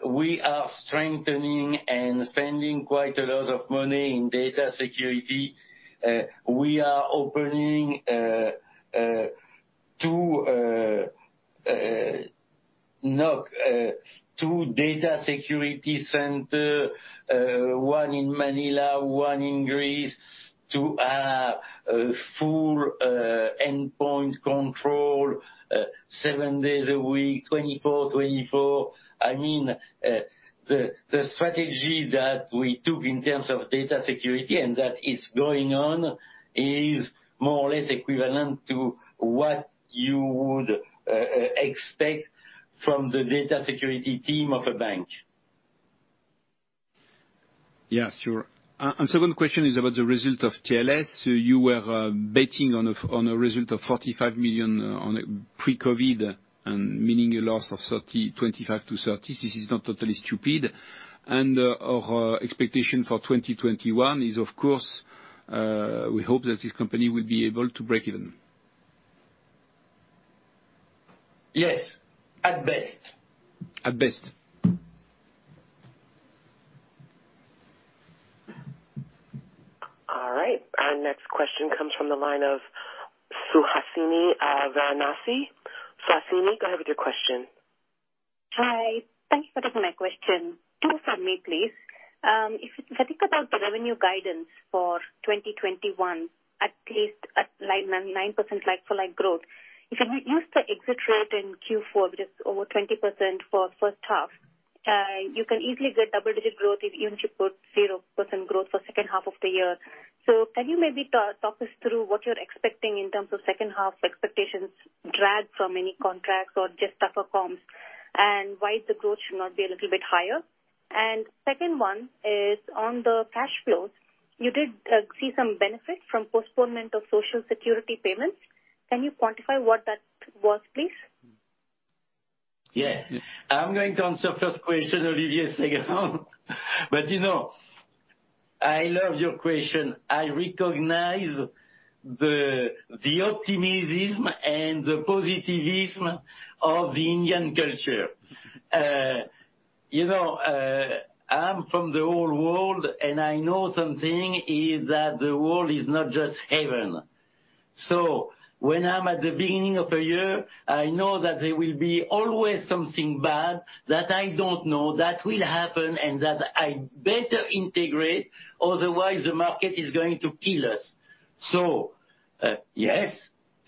we are strengthening and spending quite a lot of money in data security. We are opening two data security center, one in Manila, one in Greece, to have full endpoint control seven days a week, 24/24. The strategy that we took in terms of data security and that is going on is more or less equivalent to what you would expect from the data security team of a bank. Yeah, sure. Second question is about the result of TLS. You were betting on a result of 45 million on a pre-COVID, and meaning a loss of 25-30. This is not totally stupid. Our expectation for 2021 is, of course, we hope that this company will be able to break even. Yes. At best. At best. All right. Our next question comes from the line of Suhasini Varanasi. Suhasini, go ahead with your question. Hi. Thank you for taking my question. Two from me, please. If I think about the revenue guidance for 2021, at least at 9% like-for-like growth, if you use the exit rate in Q4, which is over 20% for first half, you can easily get double-digit growth if you even should put 0% growth for second half of the year. Can you maybe talk us through what you're expecting in terms of second half expectations, drag from any contracts or just tougher comps, and why the growth should not be a little bit higher? Second one is on the cash flows. You did see some benefit from postponement of Social Security payments. Can you quantify what that was, please? Yeah. I'm going to answer first question, Olivier, second. I love your question. I recognize the optimism and the positivism of the Indian culture. I'm from the old world, and I know something is that the world is not just heaven. When I'm at the beginning of a year, I know that there will be always something bad that I don't know that will happen and that I better integrate, otherwise the market is going to kill us. Yes,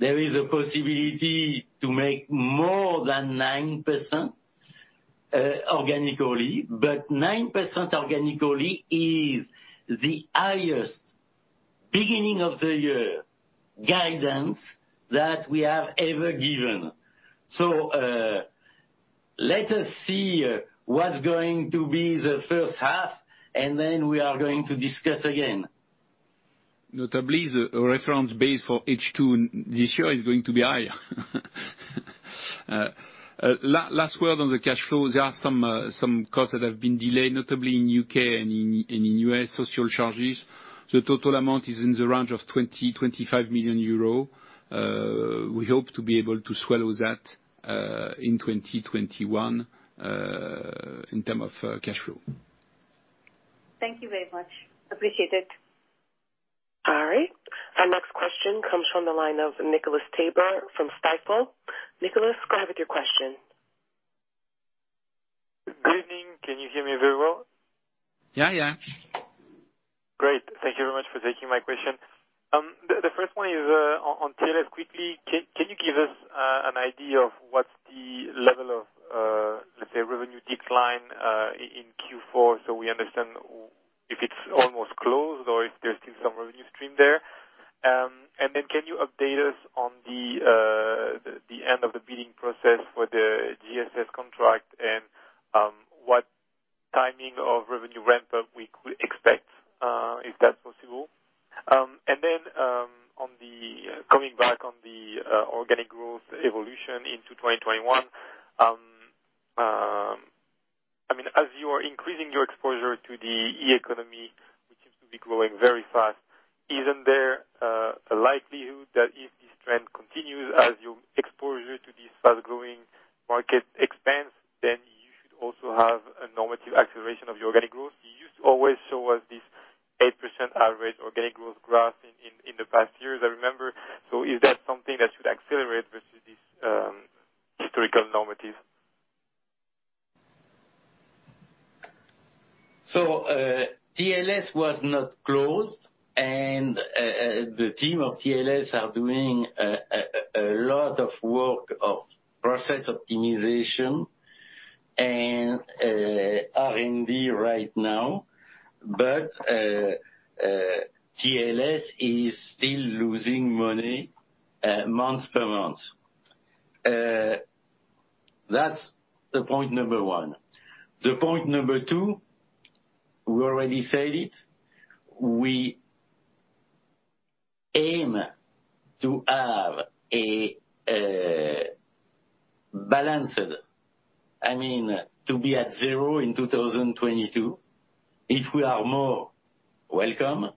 there is a possibility to make more than 9% organically. 9% organically is the highest beginning of the year guidance that we have ever given. Let us see what's going to be the first half, and then we are going to discuss again. Notably, the reference base for H2 this year is going to be higher. Last word on the cash flow, there are some costs that have been delayed, notably in U.K. and in U.S., social charges. The total amount is in the range of 20 million-25 million euros. We hope to be able to swallow that in 2021 in term of cash flow. Thank you very much. Appreciate it. All right. Our next question comes from the line of Nicolas Tabor from Stifel. Nicolas, go ahead with your question. Good evening. Can you hear me very well? Yeah. Great. Thank you very much for taking my question. The first one is on TLS. Can you give us an idea of what's the level of, let's say, revenue decline in Q4 so we understand if it's almost closed or if there's still some revenue stream there? Can you update us on the end of the bidding process for the GSS contract and what timing of revenue ramp-up we could expect, if that's possible? Coming back on the organic growth evolution into 2021. As you're increasing your exposure to the e-economy, which seems to be growing very fast, isn't there a likelihood that if this trend continues, as your exposure to this fast-growing market expands, then you should also have a normative acceleration of the organic growth? You used to always show us this 8% average organic growth graph in the past years, I remember. Is that something that should accelerate versus this historical normative? TLS was not closed, and the team of TLS are doing a lot of work of process optimization and R&D right now. TLS is still losing money month per month. That's the point number one. The point number two, we already said it, we aim to have a balance. I mean, to be at zero in 2022. If we are more, welcome.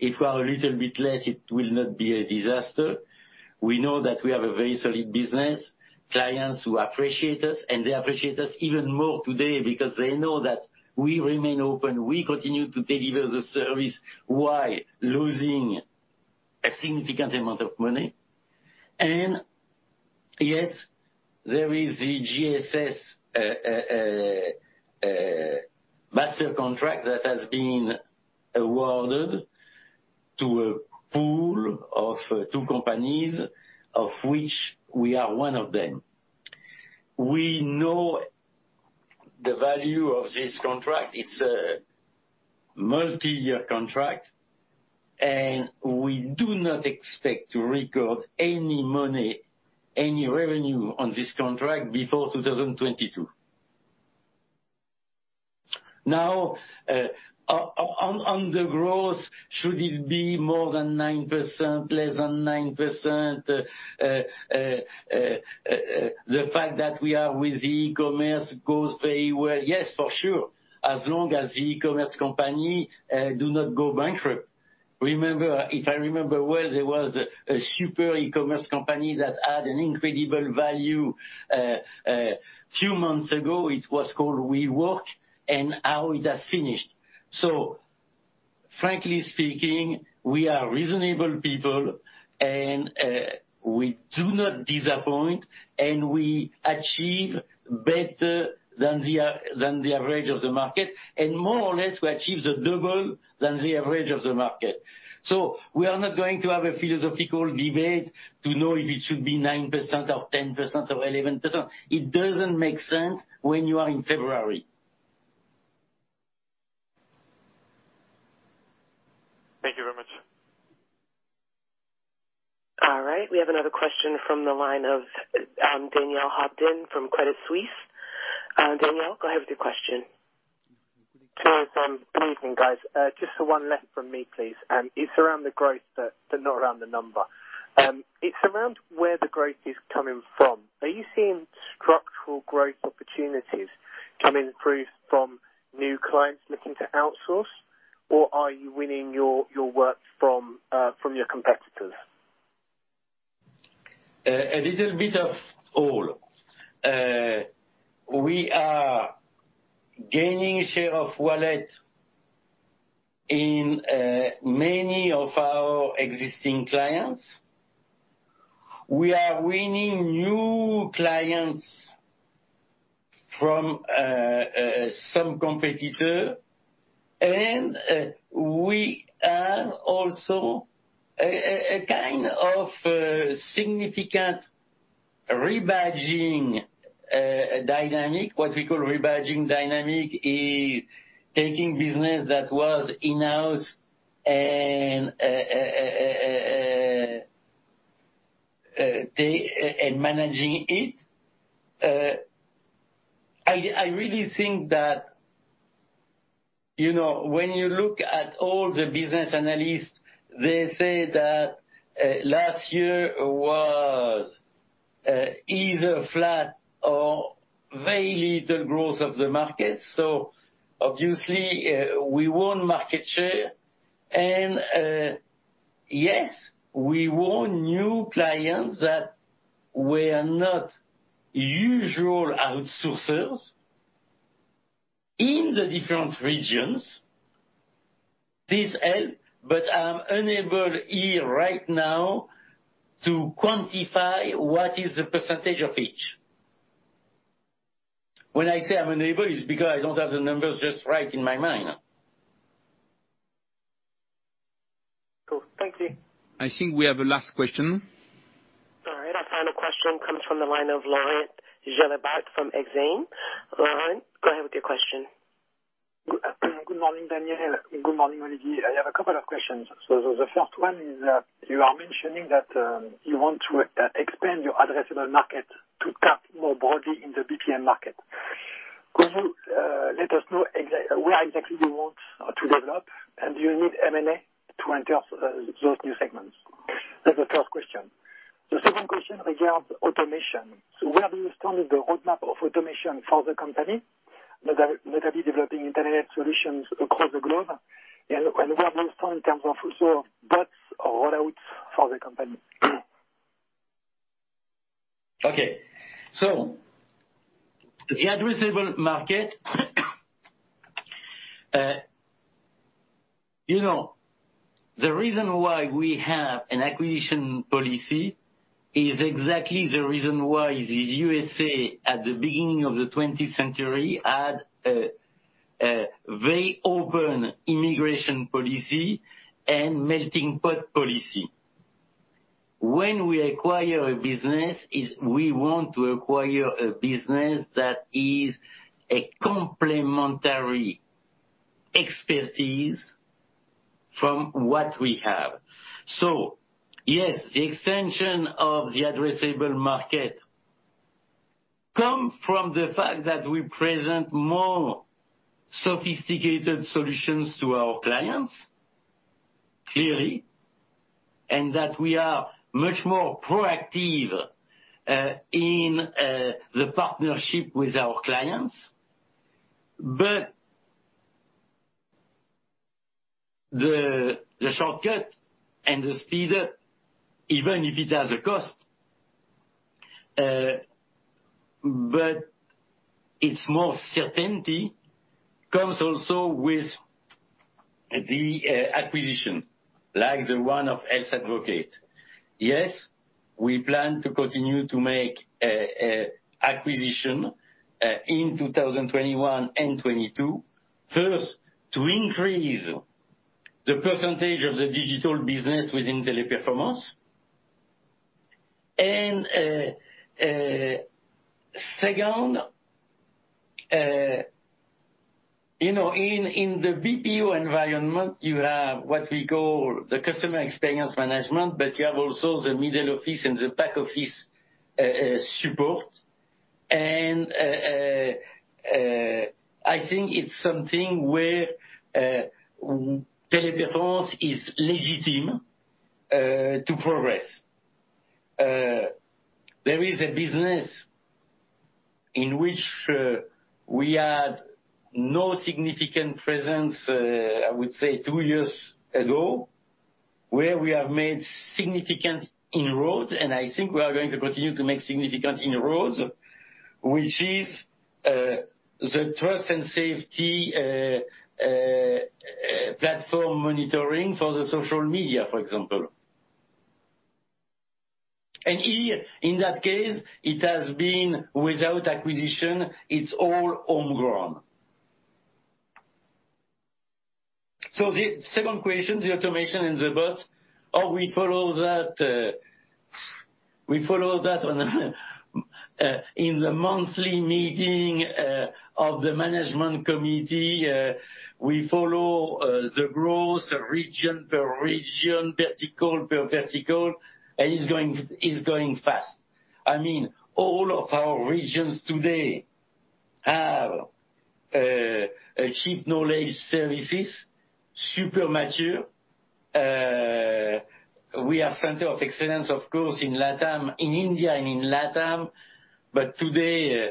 If we are a little bit less, it will not be a disaster. We know that we have a very solid business, clients who appreciate us, and they appreciate us even more today because they know that we remain open. We continue to deliver the service while losing a significant amount of money. Yes, there is the GSS master contract that has been awarded to a pool of two companies, of which we are one of them. We know the value of this contract. It's a multi-year contract. We do not expect to record any money, any revenue on this contract before 2022. On the growth, should it be more than 9%? Less than 9%? The fact that we are with the e-commerce goes very well. Yes, for sure. As long as the e-commerce company do not go bankrupt. If I remember well, there was a super e-commerce company that had an incredible value, few months ago. It was called WeWork. How it has finished. Frankly speaking, we are reasonable people, and we do not disappoint, and we achieve better than the average of the market, and more or less, we achieve the double than the average of the market. We are not going to have a philosophical debate to know if it should be 9% or 10% or 11%. It doesn't make sense when you are in February. Thank you very much. All right. We have another question from the line of Daniel Hobden from Credit Suisse. Daniel, go ahead with your question. Good evening, guys. Just one left from me, please. It's around the growth, but not around the number. It's around where the growth is coming from. Are you seeing structural growth opportunities coming through from new clients looking to outsource, or are you winning your work from your competitors? A little bit of all. We are gaining share of wallet in many of our existing clients. We are winning new clients from some competitor, and we are also a kind of significant rebadging dynamic. What we call rebadging dynamic is taking business that was in-house and managing it. I really think that when you look at all the business analysts, they say that last year was either flat or very little growth of the market. Obviously, we won market share and yes, we won new clients that were not usual outsourcers in the different regions. This help, but I'm unable here right now to quantify what is the percentage of each. When I say I'm unable, it's because I don't have the numbers just right in my mind. Cool. Thank you. I think we have a last question. All right, our final question comes from the line of Laurent Gélébart from Exane. Laurent, go ahead with your question. Good morning, Danielle. Good morning, Olivier. I have a couple of questions. The first one is, you are mentioning that you want to expand your addressable market to tap more broadly in the BPM market. Could you let us know where exactly you want to develop, and do you need M&A to enter those new segments? That's the first question. The second question regards automation. Where do you stand with the roadmap of automation for the company, notably developing Intelenet solutions across the globe, and where do you stand in terms of also bots or rollouts for the company? Okay. The addressable market the reason why we have an acquisition policy is exactly the reason why the U.S.A., at the beginning of the 20th century, had a very open immigration policy and melting pot policy. When we acquire a business, we want to acquire a business that is a complementary expertise from what we have. Yes, the extension of the addressable market come from the fact that we present more sophisticated solutions to our clients. Clearly, and that we are much more proactive in the partnership with our clients. The shortcut and the speed up, even if it has a cost, but it's more certainty comes also with the acquisition, like the one of Health Advocate. We plan to continue to make acquisition, in 2021 and 2022. First, to increase the percentage of the digital business within Teleperformance. Second, in the BPO environment, you have what we call the customer experience management, but you have also the middle office and the back office support. I think it's something where Teleperformance is legitimate to progress. There is a business in which we had no significant presence, I would say two years ago, where we have made significant inroads, and I think we are going to continue to make significant inroads, which is the trust and safety platform monitoring for the social media, for example. In that case, it has been without acquisition, it's all homegrown. The second question, the automation and the bots, we follow that. In the monthly meeting of the management committee, we follow the growth region per region, vertical per vertical. It's going fast. All of our regions today have a Chief Knowledge Services, super mature. We have center of excellence, of course, in India and in LATAM. Today,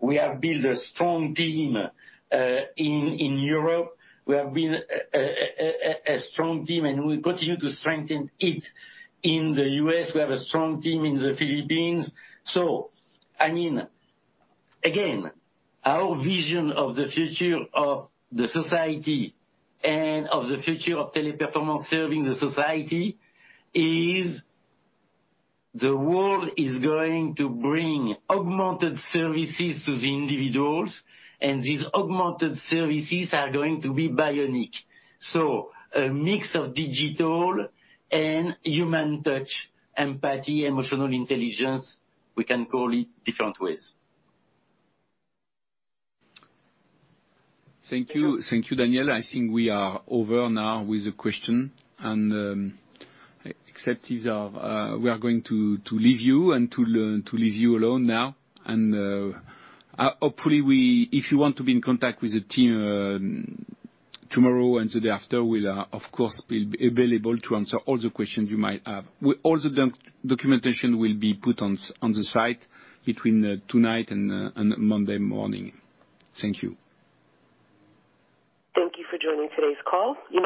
we have built a strong team in Europe. We have built a strong team, and we continue to strengthen it. In the U.S., we have a strong team in the Philippines. Again, our vision of the future of the society and of the future of Teleperformance serving the society is the world is going to bring augmented services to the individuals, and these augmented services are going to be bionic. A mix of digital and human touch, empathy, emotional intelligence, we can call it different ways. Thank you, Daniel. I think we are over now with the question. We are going to leave you and to leave you alone now. Hopefully, if you want to be in contact with the team tomorrow and the day after, we are of course available to answer all the questions you might have. All the documentation will be put on the site between tonight and Monday morning. Thank you. Thank you for joining today's call.